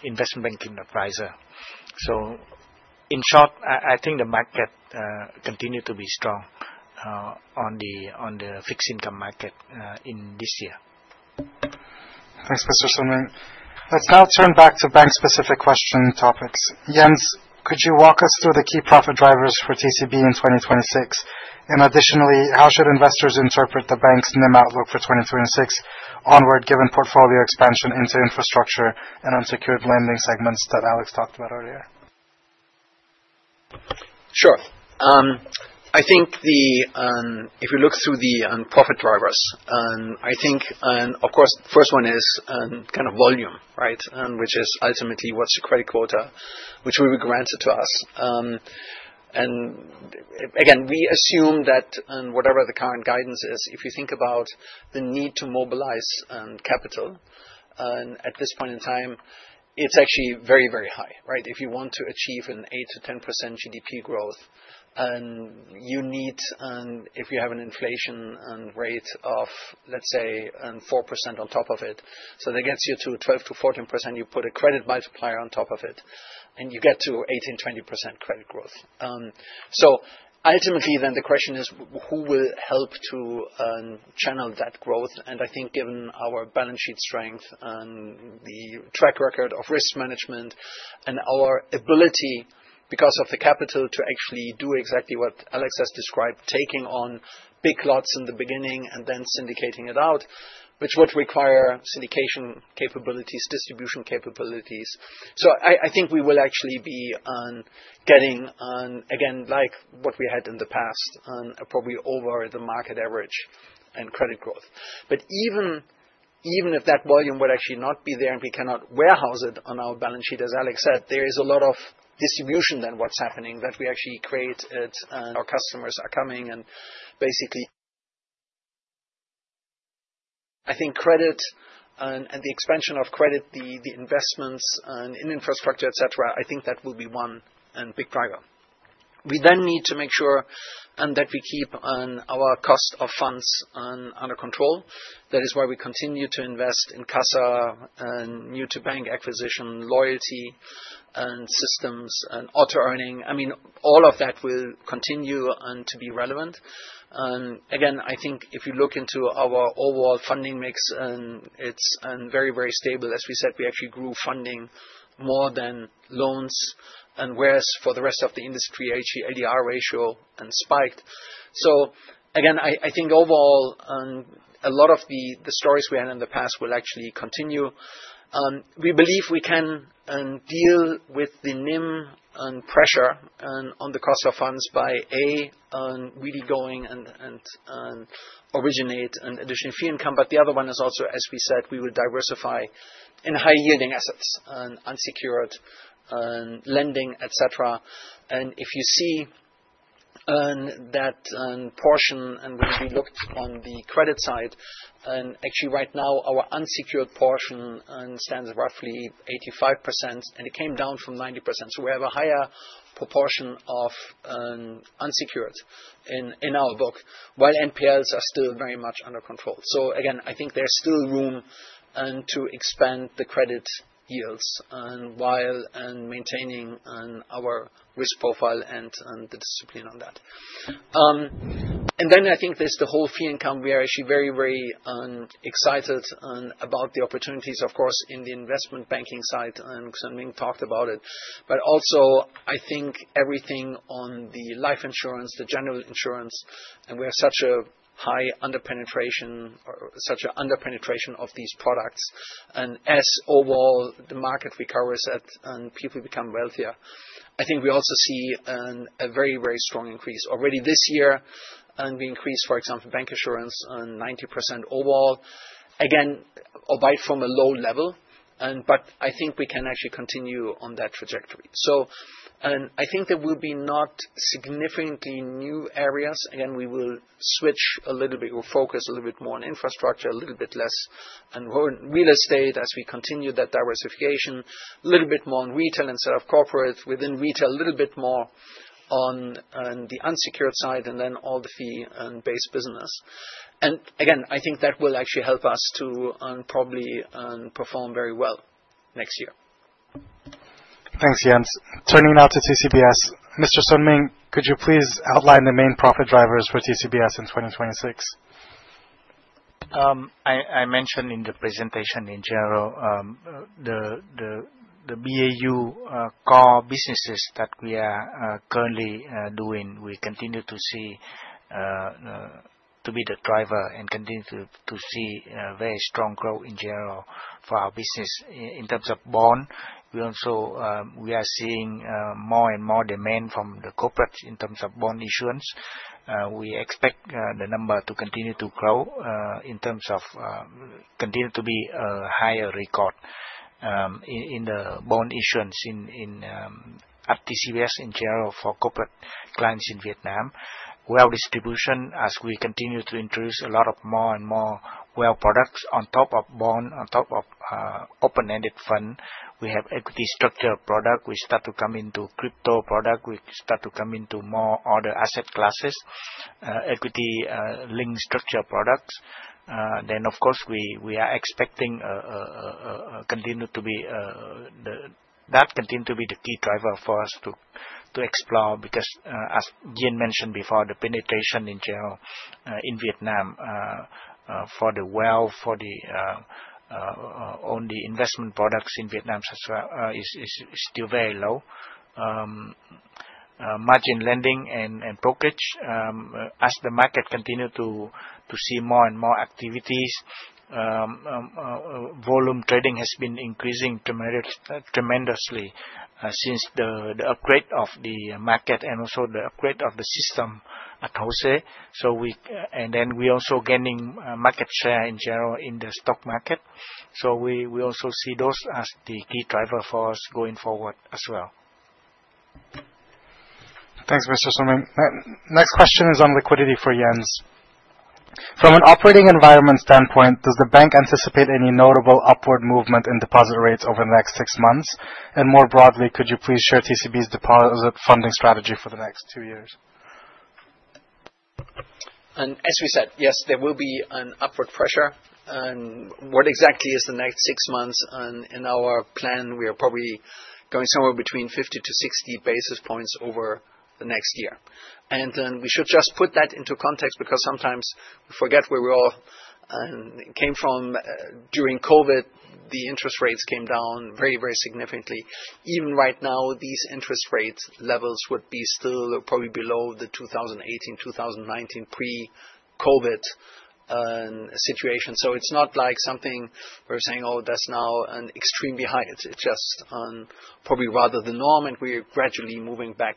D: investment banking advisor. So in short, I think the market continues to be strong on the fixed income market in this year.
A: Thanks, Mr. Xuan Minh. Let's now turn back to bank-specific question topics. Jens, could you walk us through the key profit drivers for TCB in 2026?Additionally, how should investors interpret the bank's NIM outlook for 2026 onward, given portfolio expansion into infrastructure and unsecured lending segments that Alex talked about earlier?
B: Sure. I think if you look through the profit drivers, I think, of course, the first one is kind of volume, right? Which is ultimately what's the credit quota, which will be granted to us. And again, we assume that whatever the current guidance is, if you think about the need to mobilize capital at this point in time, it's actually very, very high, right? If you want to achieve an 8%-10% GDP growth, you need, if you have an inflation rate of, let's say, 4% on top of it. So that gets you to 12%-14%. You put a credit multiplier on top of it, and you get to 18%-20% credit growth. So ultimately, then the question is, who will help to channel that growth? And I think given our balance sheet strength, the track record of risk management, and our ability because of the capital to actually do exactly what Alex has described, taking on big lots in the beginning and then syndicating it out, which would require syndication capabilities, distribution capabilities. So I think we will actually be getting, again, like what we had in the past, probably over the market average and credit growth. But even if that volume would actually not be there and we cannot warehouse it on our balance sheet, as Alex said, there is a lot of distribution than what's happening that we actually create it. Our customers are coming and basically, I think credit and the expansion of credit, the investments in infrastructure, etc., I think that will be one big driver. We then need to make sure that we keep our cost of funds under control. That is why we continue to invest in CASA, new-to-bank acquisition, loyalty systems, and Auto-Earning. I mean, all of that will continue to be relevant. Again, I think if you look into our overall funding mix, it's very, very stable. As we said, we actually grew funding more than loans. And whereas for the rest of the industry, actually LDR ratio spiked. So again, I think overall, a lot of the stories we had in the past will actually continue. We believe we can deal with the NIM pressure on the cost of funds by, A, really going and originate an additional fee income. But the other one is also, as we said, we will diversify in high-yielding assets, unsecured lending, etc. And if you see that portion, and when we looked on the credit side, actually right now, our unsecured portion stands at roughly 85%, and it came down from 90%, so we have a higher proportion of unsecured in our book, while NPLs are still very much under control. So again, I think there's still room to expand the credit yields while maintaining our risk profile and the discipline on that, and then I think there's the whole fee income. We are actually very, very excited about the opportunities, of course, in the investment banking side, and Xuan Minh talked about it, but also, I think everything on the life insurance, the general insurance, and we have such a high underpenetration or such an underpenetration of these products, and as overall the market recovers and people become wealthier, I think we also see a very, very strong increase already this year. And we increased, for example, bancassurance 90% overall, again, away from a low level. But I think we can actually continue on that trajectory. So I think there will be not significantly new areas. Again, we will switch a little bit or focus a little bit more on infrastructure, a little bit less on real estate as we continue that diversification, a little bit more on retail instead of corporates, within retail a little bit more on the unsecured side, and then all the fee-based business. And again, I think that will actually help us to probably perform very well next year.
A: Thanks, Jens. Turning now to TCBS. Mr. Xuan Minh, could you please outline the main profit drivers for TCBS in 2026? I mentioned in the presentation in general the BAU core businesses that we are currently doing.
D: We continue to see to be the driver and continue to see very strong growth in general for our business. In terms of bond, we also are seeing more and more demand from the corporates in terms of bond issuance. We expect the number to continue to grow in terms of continue to be a higher record in the bond issuance at TCBS in general for corporate clients in Vietnam. Wealth distribution, as we continue to introduce a lot of more and more wealth products on top of bond, on top of open-ended fund. We have equity structured products. We start to come into crypto products. We start to come into more other asset classes, equity-linked structured products. Then, of course, we are expecting to continue to be the key driver for us to explore because, as Jens mentioned before, the penetration in general in Vietnam for the wealth, for the investment products in Vietnam is still very low. Margin lending and brokerage, as the market continues to see more and more activities, volume trading has been increasing tremendously since the upgrade of the market and also the upgrade of the system at HOSE. And then we're also gaining market share in general in the stock market. So we also see those as the key driver for us going forward as well.
A: Thanks, Mr. Xuan Minh. Next question is on liquidity for Jens. From an operating environment standpoint, does the bank anticipate any notable upward movement in deposit rates over the next six months? And more broadly, could you please share TCB's deposit funding strategy for the next two years?
B: As we said, yes, there will be an upward pressure. What exactly is the next six months? In our plan, we are probably going somewhere between 50 to 60 basis points over the next year. And then we should just put that into context because sometimes we forget where we all came from. During COVID, the interest rates came down very, very significantly. Even right now, these interest rate levels would be still probably below the 2018, 2019 pre-COVID situation. So it's not like something we're saying, "Oh, that's now extremely high." It's just probably rather the norm, and we're gradually moving back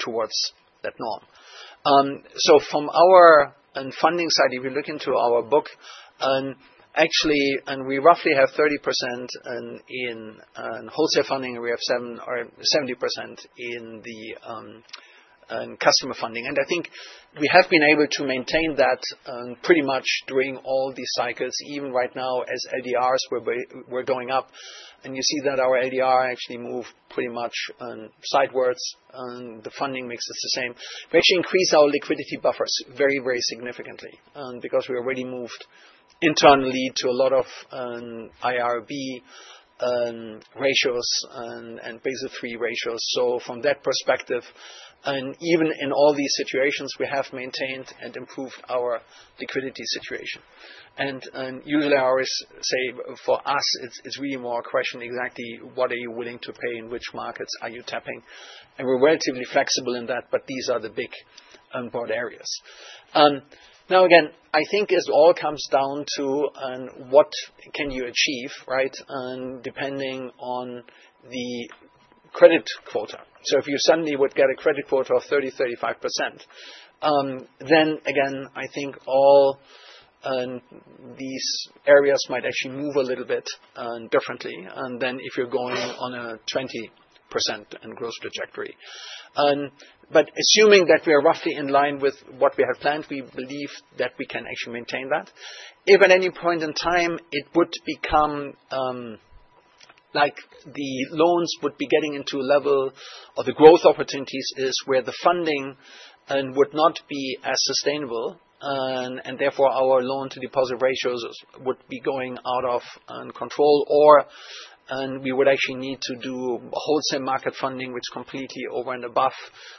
B: towards that norm. So from our funding side, if you look into our book, actually, we roughly have 30% in wholesale funding, and we have 70% in customer funding. And I think we have been able to maintain that pretty much during all these cycles, even right now as LDRs were going up. And you see that our LDR actually moved pretty much sidewards. The funding mix is the same. We actually increased our liquidity buffers very, very significantly because we already moved internally to a lot of IRB ratios and Basel III ratios. So from that perspective, even in all these situations, we have maintained and improved our liquidity situation. And usually, I always say for us, it's really more a question exactly what are you willing to pay and which markets are you tapping. And we're relatively flexible in that, but these are the big broad areas. Now, again, I think it all comes down to what can you achieve, right, depending on the credit quota. If you suddenly would get a credit quota of 30%-35%, then again, I think all these areas might actually move a little bit differently than if you're going on a 20% growth trajectory. But assuming that we are roughly in line with what we have planned, we believe that we can actually maintain that. If at any point in time it would become like the loans would be getting into a level or the growth opportunities is where the funding would not be as sustainable, and therefore our loan-to-deposit ratios would be going out of control, or we would actually need to do wholesale market funding, which is completely over and above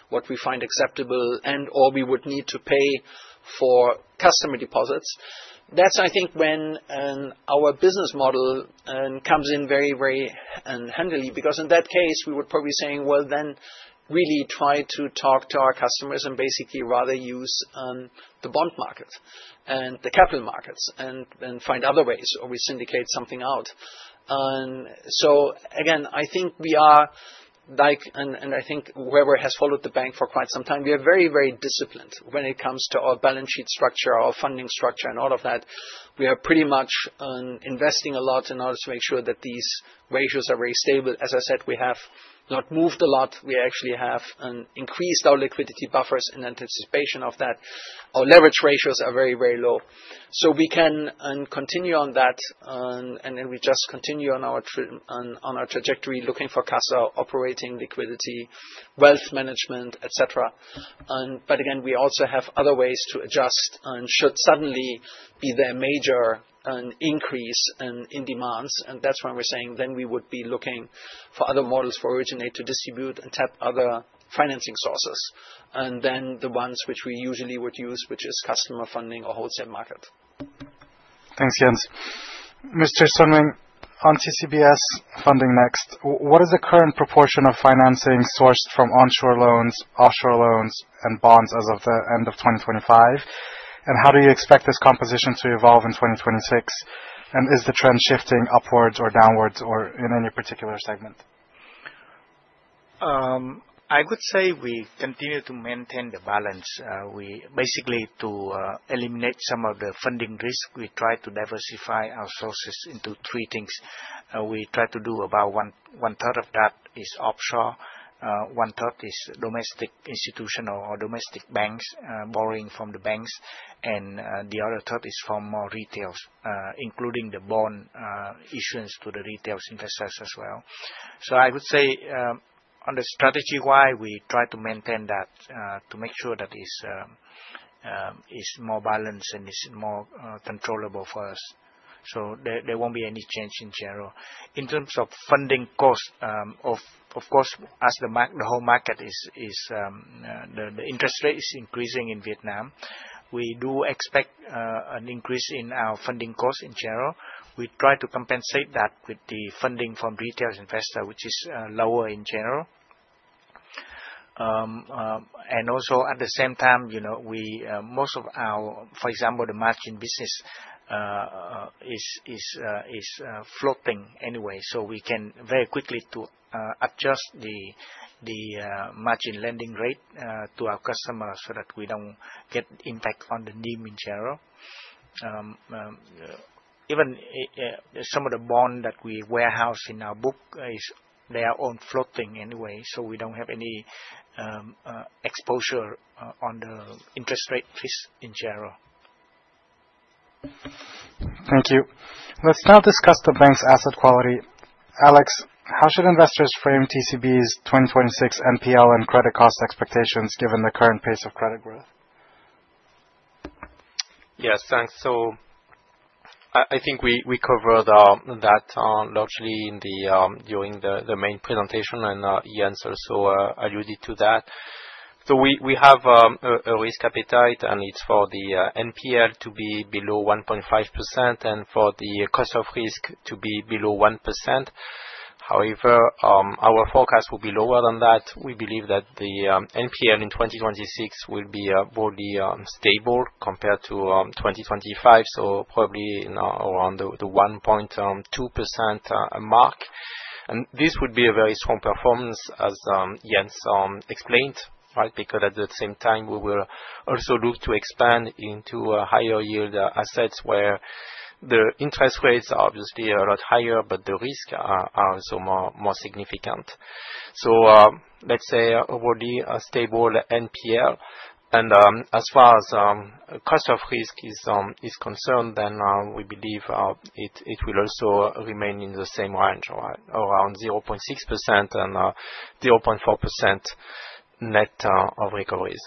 B: what we find acceptable, and/or we would need to pay for customer deposits. That's, I think, when our business model comes in very, very handily because in that case, we would probably be saying, "Well, then really try to talk to our customers and basically rather use the bond market and the capital markets and find other ways or we syndicate something out." So again, I think we are like, and I think whoever has followed the bank for quite some time, we are very, very disciplined when it comes to our balance sheet structure, our funding structure, and all of that. We are pretty much investing a lot in order to make sure that these ratios are very stable. As I said, we have not moved a lot. We actually have increased our liquidity buffers in anticipation of that. Our leverage ratios are very, very low. So we can continue on that, and then we just continue on our trajectory looking for CASA, operating liquidity, wealth management, etc. But again, we also have other ways to adjust, and should there suddenly be a major increase in demands. And that's when we're saying then we would be looking for other models for originate to distribute and tap other financing sources. And then the ones which we usually would use, which is customer funding or wholesale market.
A: Thanks, Jens. Mr. Xuan Minh, on TCBS funding next, what is the current proportion of financing sourced from onshore loans, offshore loans, and bonds as of the end of 2025? And how do you expect this composition to evolve in 2026? And is the trend shifting upwards or downwards or in any particular segment?
D: I would say we continue to maintain the balance. Basically, to eliminate some of the funding risk, we try to diversify our sources into three things. We try to do about one-third of that is offshore, one-third is domestic institutional or domestic banks borrowing from the banks, and the other third is from retail, including the bond issuance to the retail interests as well. So I would say on the strategy-wise, we try to maintain that to make sure that it's more balanced and it's more controllable for us. So there won't be any change in general. In terms of funding cost, of course, as the whole market is, the interest rate is increasing in Vietnam. We do expect an increase in our funding cost in general. We try to compensate that with the funding from retail investors, which is lower in general. Also at the same time, most of our, for example, the margin business is floating anyway. We can very quickly adjust the margin lending rate to our customers so that we don't get impact on the NIM in general. Even some of the bond that we warehouse in our book, they are all floating anyway, so we don't have any exposure on the interest rate risk in general.
A: Thank you. Let's now discuss the bank's asset quality. Alex, how should investors frame TCB's 2026 NPL and credit cost expectations given the current pace of credit growth?
C: Yes, thanks. I think we covered that largely during the main presentation, and Jens also alluded to that. We have a risk appetite, and it's for the NPL to be below 1.5% and for the cost of risk to be below 1%. However, our forecast will be lower than that. We believe that the NPL in 2026 will be broadly stable compared to 2025, so probably around the 1.2% mark, and this would be a very strong performance, as Jens explained, right, because at the same time, we will also look to expand into higher yield assets where the interest rates are obviously a lot higher, but the risks are also more significant, so let's say a broadly stable NPL, and as far as cost of risk is concerned, then we believe it will also remain in the same range, around 0.6% and 0.4% net of recoveries.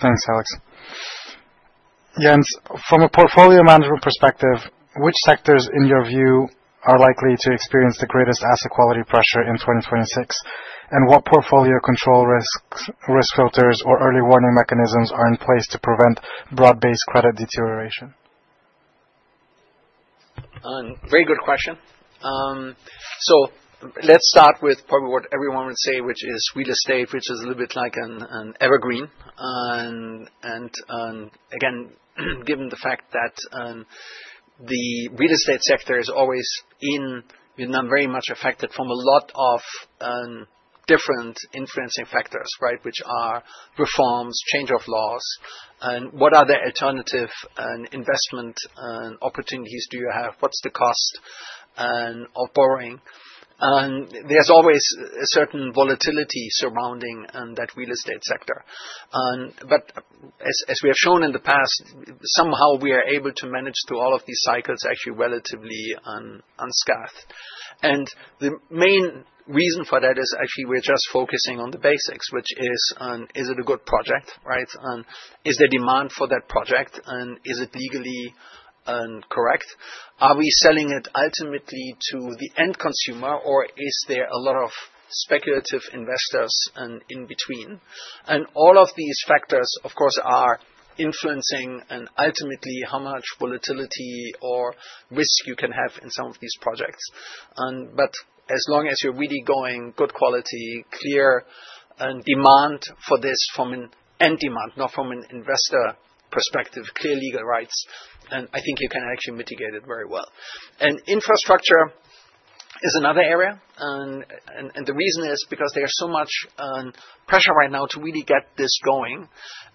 A: Thanks, Alex. Jens, from a portfolio management perspective, which sectors in your view are likely to experience the greatest asset quality pressure in 2026? And what portfolio control risks, risk filters, or early warning mechanisms are in place to prevent broad-based credit deterioration?
B: Very good question. So let's start with probably what everyone would say, which is real estate, which is a little bit like an evergreen. And again, given the fact that the real estate sector is always in Vietnam very much affected from a lot of different influencing factors, right, which are reforms, change of laws. And what other alternative investment opportunities do you have? What's the cost of borrowing? There's always a certain volatility surrounding that real estate sector. But as we have shown in the past, somehow we are able to manage through all of these cycles actually relatively unscathed. And the main reason for that is actually we're just focusing on the basics, which is, is it a good project, right? Is there demand for that project? And is it legally correct? Are we selling it ultimately to the end consumer, or is there a lot of speculative investors in between? And all of these factors, of course, are influencing and ultimately how much volatility or risk you can have in some of these projects. But as long as you're really going good quality, clear demand for this from an end demand, not from an investor perspective, clear legal rights, then I think you can actually mitigate it very well. And infrastructure is another area. And the reason is because there's so much pressure right now to really get this going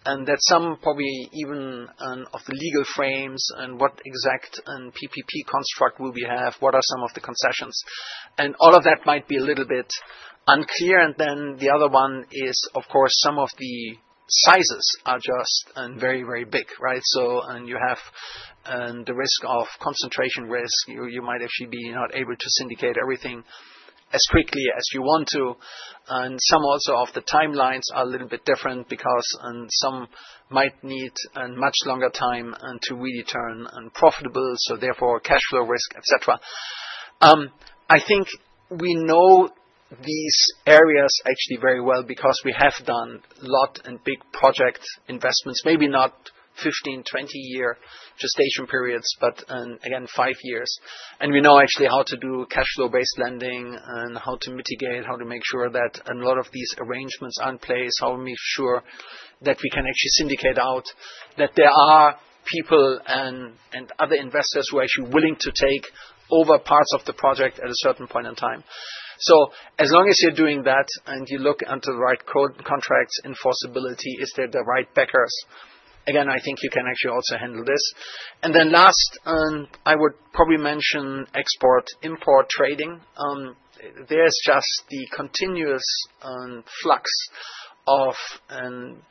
B: and that some probably even of the legal frames and what exact PPP construct will we have, what are some of the concessions. And all of that might be a little bit unclear. And then the other one is, of course, some of the sizes are just very, very big, right? So you have the risk of concentration risk. You might actually be not able to syndicate everything as quickly as you want to. And some also of the timelines are a little bit different because some might need a much longer time to really turn profitable. So therefore, cash flow risk, etc. I think we know these areas actually very well because we have done a lot in big project investments, maybe not 15, 20-year gestation periods, but again, five years. And we know actually how to do cash flow-based lending and how to mitigate, how to make sure that a lot of these arrangements are in place, how to make sure that we can actually syndicate out, that there are people and other investors who are actually willing to take over parts of the project at a certain point in time. As long as you're doing that and you look into the right contracts, enforceability, is there the right backers? Again, I think you can actually also handle this. Then last, I would probably mention export-import trading. There's just the continuous flux of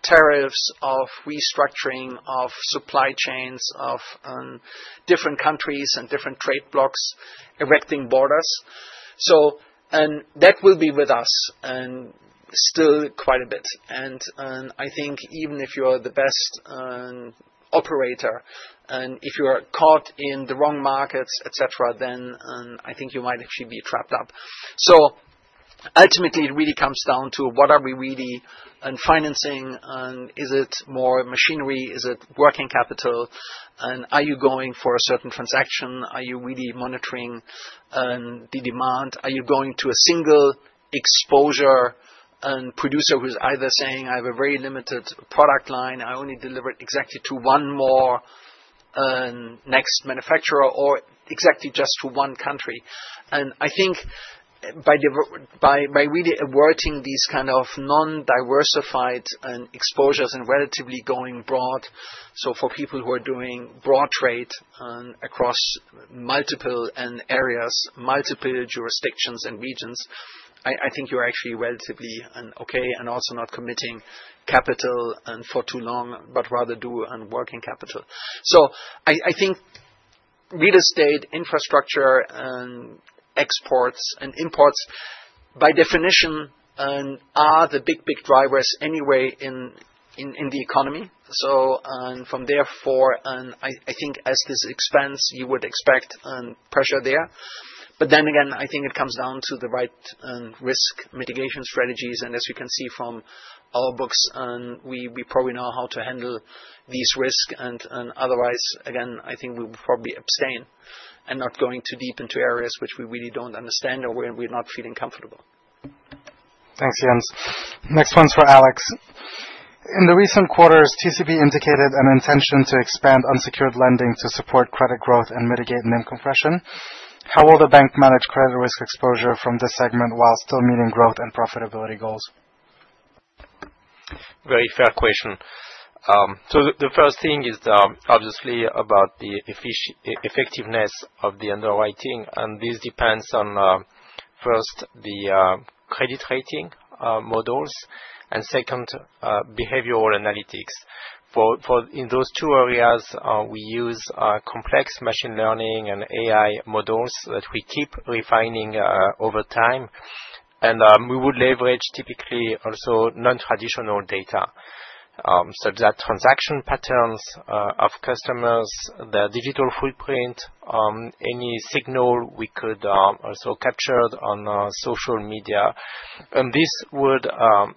B: tariffs, of restructuring, of supply chains of different countries and different trade blocks erecting borders. That will be with us and still quite a bit. I think even if you are the best operator, and if you are caught in the wrong markets, etc., then I think you might actually be trapped up. Ultimately, it really comes down to what are we really financing? Is it more machinery? Is it working capital? Are you going for a certain transaction? Are you really monitoring the demand? Are you going to a single exposure producer who's either saying, "I have a very limited product line. I only delivered exactly to one more next manufacturer or exactly just to one country"? And I think by really averting these kind of non-diversified exposures and relatively going broad, so for people who are doing broad trade across multiple areas, multiple jurisdictions and regions, I think you're actually relatively okay and also not committing capital for too long, but rather do working capital. So I think real estate, infrastructure, and exports and imports, by definition, are the big, big drivers anyway in the economy. So from therefore, I think as this expands, you would expect pressure there. But then again, I think it comes down to the right risk mitigation strategies. And as you can see from our books, we probably know how to handle these risks. And otherwise, again, I think we will probably abstain and not going too deep into areas which we really don't understand or where we're not feeling comfortable.
A: Thanks, Jens. Next one's for Alex. In the recent quarters, TCB indicated an intention to expand unsecured lending to support credit growth and mitigate NIM compression. How will the bank manage credit risk exposure from this segment while still meeting growth and profitability goals?
C: Very fair question. So the first thing is obviously about the effectiveness of the underwriting. And this depends on, first, the credit rating models and second, behavioral analytics. In those two areas, we use complex machine learning and AI models that we keep refining over time. And we would leverage typically also non-traditional data, such as transaction patterns of customers, their digital footprint, any signal we could also capture on social media. And this would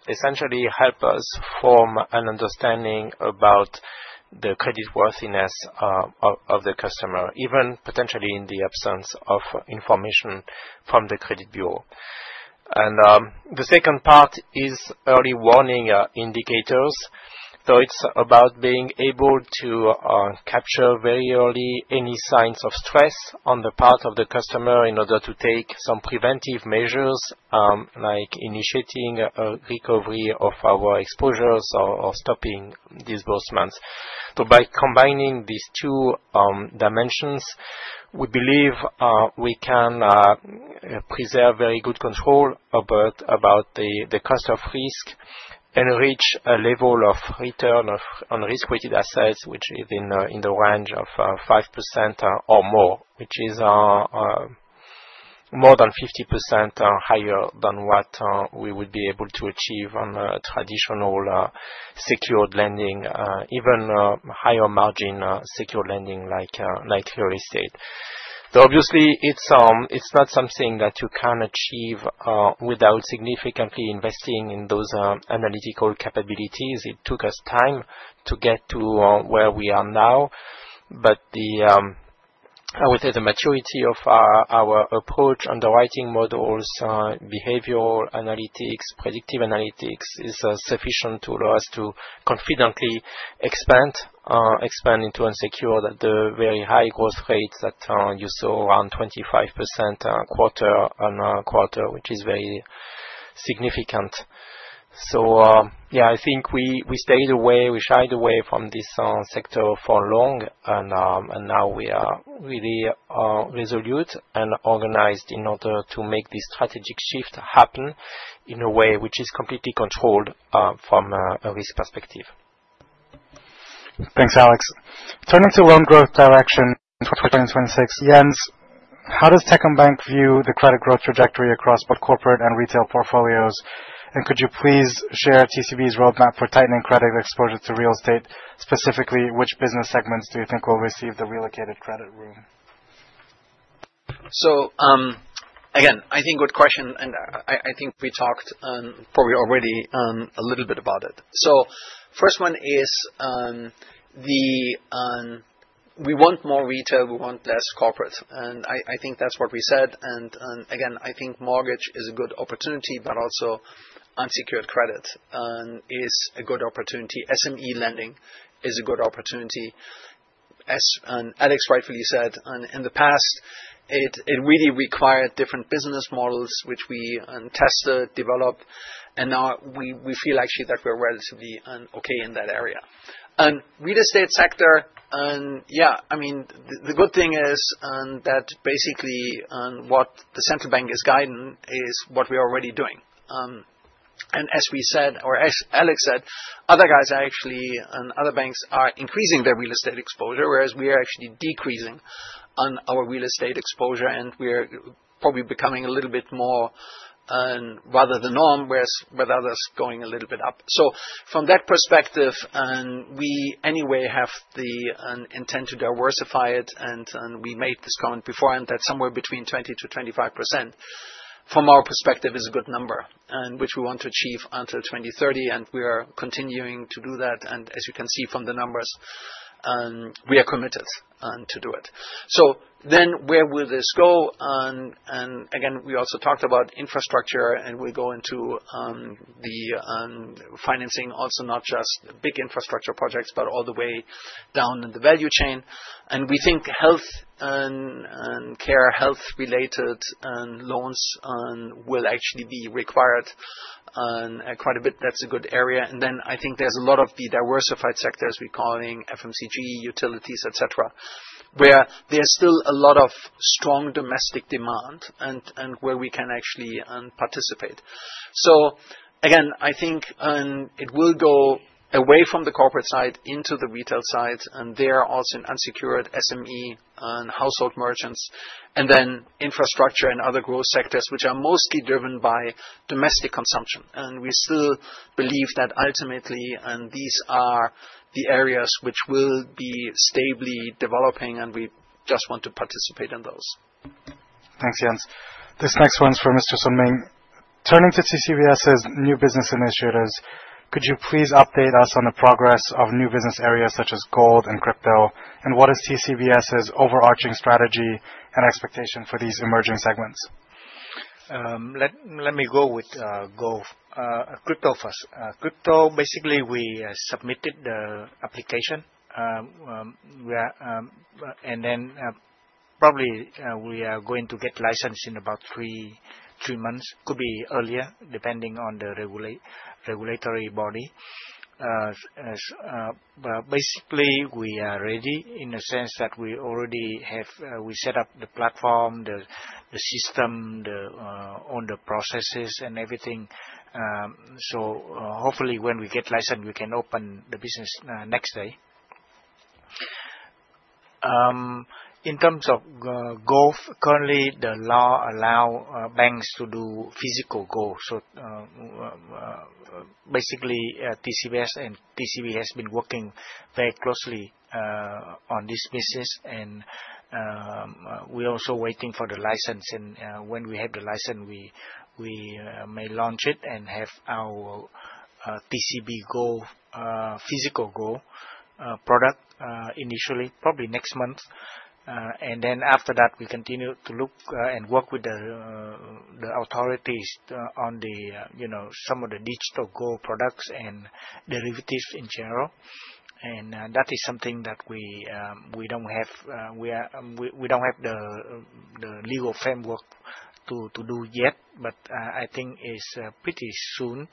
C: essentially help us form an understanding about the credit worthiness of the customer, even potentially in the absence of information from the credit bureau. And the second part is early warning indicators. So it's about being able to capture very early any signs of stress on the part of the customer in order to take some preventive measures, like initiating a recovery of our exposures or stopping disbursements. So by combining these two dimensions, we believe we can preserve very good control about the cost of risk and reach a level of return on risk-weighted assets, which is in the range of 5% or more, which is more than 50% higher than what we would be able to achieve on traditional secured lending, even higher margin secured lending like real estate. So obviously, it's not something that you can achieve without significantly investing in those analytical capabilities. It took us time to get to where we are now. But I would say the maturity of our approach, underwriting models, behavioral analytics, predictive analytics is sufficient to allow us to confidently expand into and secure the very high growth rates that you saw around 25% quarter on quarter, which is very significant. So yeah, I think we stayed away, we shied away from this sector for long, and now we are really resolute and organized in order to make this strategic shift happen in a way which is completely controlled from a risk perspective.
A: Thanks, Alex. Turning to loan growth direction for 2026, Jens, how does Techcombank view the credit growth trajectory across both corporate and retail portfolios? And could you please share TCB's roadmap for tightening credit exposure to real estate? Specifically, which business segments do you think will receive the relocated credit room?
B: So again, I think good question, and I think we talked probably already a little bit about it. So first one is we want more retail, we want less corporate. And I think that's what we said. And again, I think mortgage is a good opportunity, but also unsecured credit is a good opportunity. SME lending is a good opportunity. As Alex rightfully said, in the past, it really required different business models, which we tested, developed, and now we feel actually that we're relatively okay in that area. Real estate sector, yeah, I mean, the good thing is that basically what the Central Bank is guiding is what we're already doing. As we said, or as Alex said, other guys are actually and other banks are increasing their real estate exposure, whereas we are actually decreasing our real estate exposure, and we're probably becoming a little bit more rather the norm, whereas with others going a little bit up. From that perspective, we anyway have the intent to diversify it, and we made this comment beforehand that somewhere between 20% to 25%, from our perspective, is a good number, which we want to achieve until 2030, and we are continuing to do that. As you can see from the numbers, we are committed to do it. Then where will this go? Again, we also talked about infrastructure, and we'll go into the financing also not just big infrastructure projects, but all the way down in the value chain. And we think health and care, health-related loans will actually be required quite a bit. That's a good area. And then I think there's a lot of the diversified sectors we're calling FMCG, utilities, etc., where there's still a lot of strong domestic demand and where we can actually participate. So again, I think it will go away from the corporate side into the retail side, and there are also unsecured SME and household merchants, and then infrastructure and other growth sectors, which are mostly driven by domestic consumption. And we still believe that ultimately these are the areas which will be stably developing, and we just want to participate in those.
A: Thanks, Jens. This next one's for Mr. Xuan Minh. Turning to TCBS's new business initiatives, could you please update us on the progress of new business areas such as gold and crypto? What is TCBS's overarching strategy and expectation for these emerging segments?
D: Let me go with gold. Crypto first. Crypto, basically, we submitted the application, and then probably we are going to get licensed in about three months. Could be earlier, depending on the regulatory body. Basically, we are ready in the sense that we already have set up the platform, the system, the processes, and everything. So hopefully, when we get licensed, we can open the business next day. In terms of gold, currently, the law allows banks to do physical gold. So basically, TCBS and TCB has been working very closely on this business, and we're also waiting for the license. And when we have the license, we may launch it and have our TCB Gold physical gold product initially, probably next month. And then after that, we continue to look and work with the authorities on some of the digital gold products and derivatives in general. And that is something that we don't have the legal framework to do yet, but I think it's pretty soon,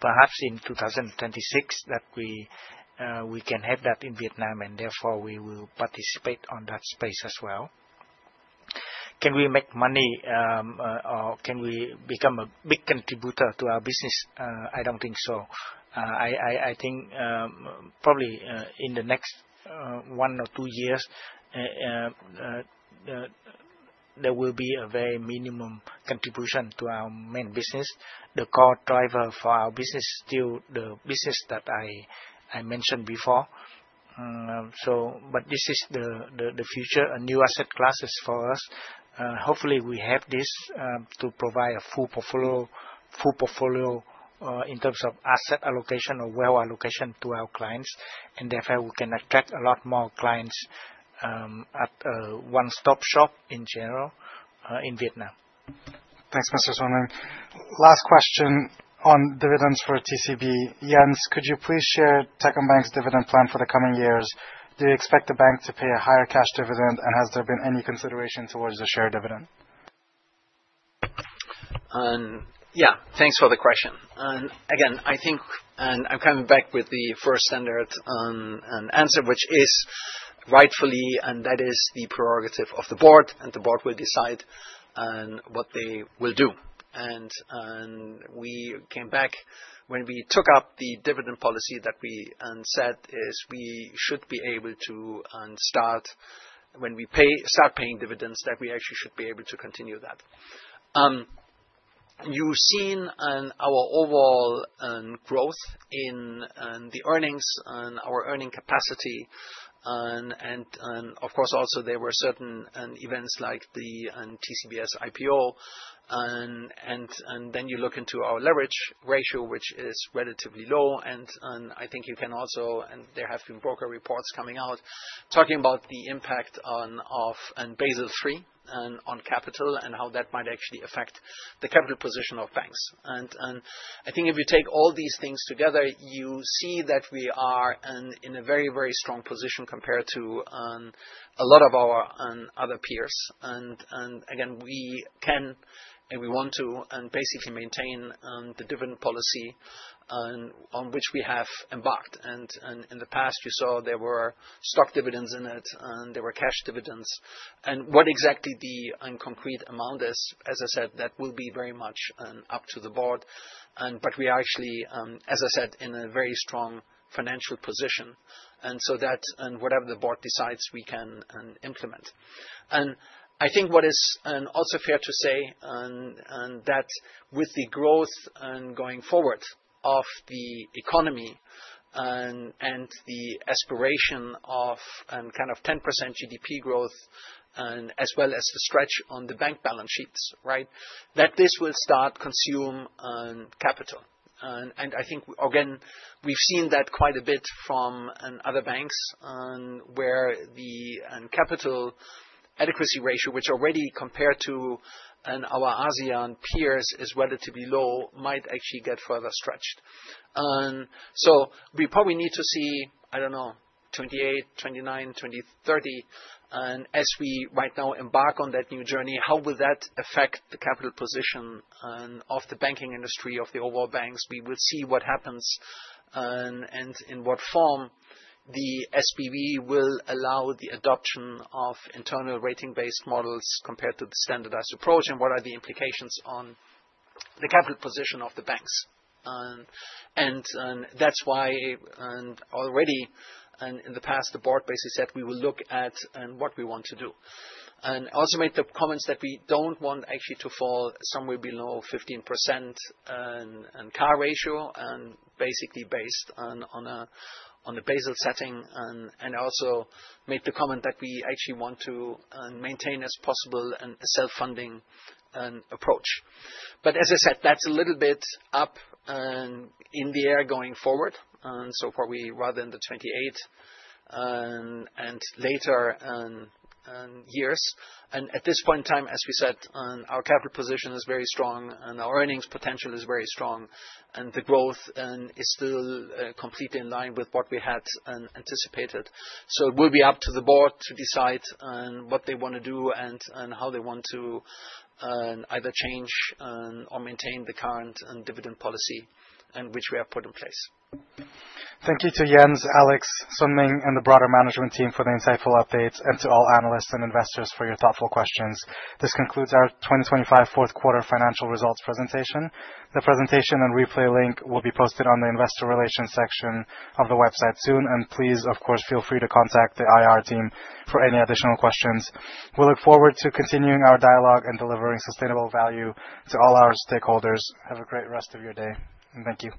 D: perhaps in 2026, that we can have that in Vietnam, and therefore, we will participate on that space as well. Can we make money, or can we become a big contributor to our business? I don't think so. I think probably in the next one or two years, there will be a very minimum contribution to our main business. The core driver for our business is still the business that I mentioned before. But this is the future, a new asset class for us. Hopefully, we have this to provide a full portfolio in terms of asset allocation or wealth allocation to our clients, and therefore, we can attract a lot more clients at one-stop shop in general in Vietnam.
A: Thanks, Mr. Xuan Minh. Last question on dividends for TCB. Jens, could you please share Techcombank's dividend plan for the coming years? Do you expect the bank to pay a higher cash dividend, and has there been any consideration towards the share dividend?
B: Yeah. Thanks for the question. Again, I think I'm coming back with the first standard answer, which is rightfully, and that is the prerogative of the board, and the board will decide what they will do. We came back when we took up the dividend policy that we said is we should be able to start when we start paying dividends, that we actually should be able to continue that. You've seen our overall growth in the earnings and our earning capacity. Of course, also, there were certain events like the TCBS IPO. Then you look into our leverage ratio, which is relatively low. I think you can also, and there have been broker reports coming out, talking about the impact of Basel III on capital and how that might actually affect the capital position of banks. I think if you take all these things together, you see that we are in a very, very strong position compared to a lot of our other peers. And again, we can and we want to basically maintain the dividend policy on which we have embarked. And in the past, you saw there were stock dividends in it, and there were cash dividends. And what exactly the concrete amount is, as I said, that will be very much up to the board. But we are actually, as I said, in a very strong financial position. And so that and whatever the board decides, we can implement. And I think what is also fair to say that with the growth going forward of the economy and the aspiration of kind of 10% GDP growth, as well as the stretch on the bank balance sheets, right, that this will start consuming capital. I think, again, we've seen that quite a bit from other banks where the capital adequacy ratio, which already compared to our ASEAN peers is relatively low, might actually get further stretched. We probably need to see, I don't know, 28, 29, 2030, as we right now embark on that new journey, how will that affect the capital position of the banking industry, of the overall banks? We will see what happens and in what form the SBV will allow the adoption of internal ratings-based models compared to the standardized approach, and what are the implications on the capital position of the banks. That's why already in the past, the board basically said we will look at what we want to do. And also made the comments that we don't want actually to fall somewhere below 15% CAR ratio, basically based on a Basel setting, and also made the comment that we actually want to maintain as possible a self-funding approach, but as I said, that's a little bit up in the air going forward, so probably rather than the 2028 and later years, and at this point in time, as we said, our capital position is very strong, and our earnings potential is very strong, and the growth is still completely in line with what we had anticipated, so it will be up to the board to decide what they want to do and how they want to either change or maintain the current dividend policy which we have put in place.
A: Thank you to Jens, Alex, Xuan Minh, and the broader management team for the insightful updates, and to all analysts and investors for your thoughtful questions. This concludes our 2025 fourth quarter financial results presentation. The presentation and replay link will be posted on the investor relations section of the website soon. Please, of course, feel free to contact the IR team for any additional questions. We look forward to continuing our dialogue and delivering sustainable value to all our stakeholders. Have a great rest of your day. Thank you.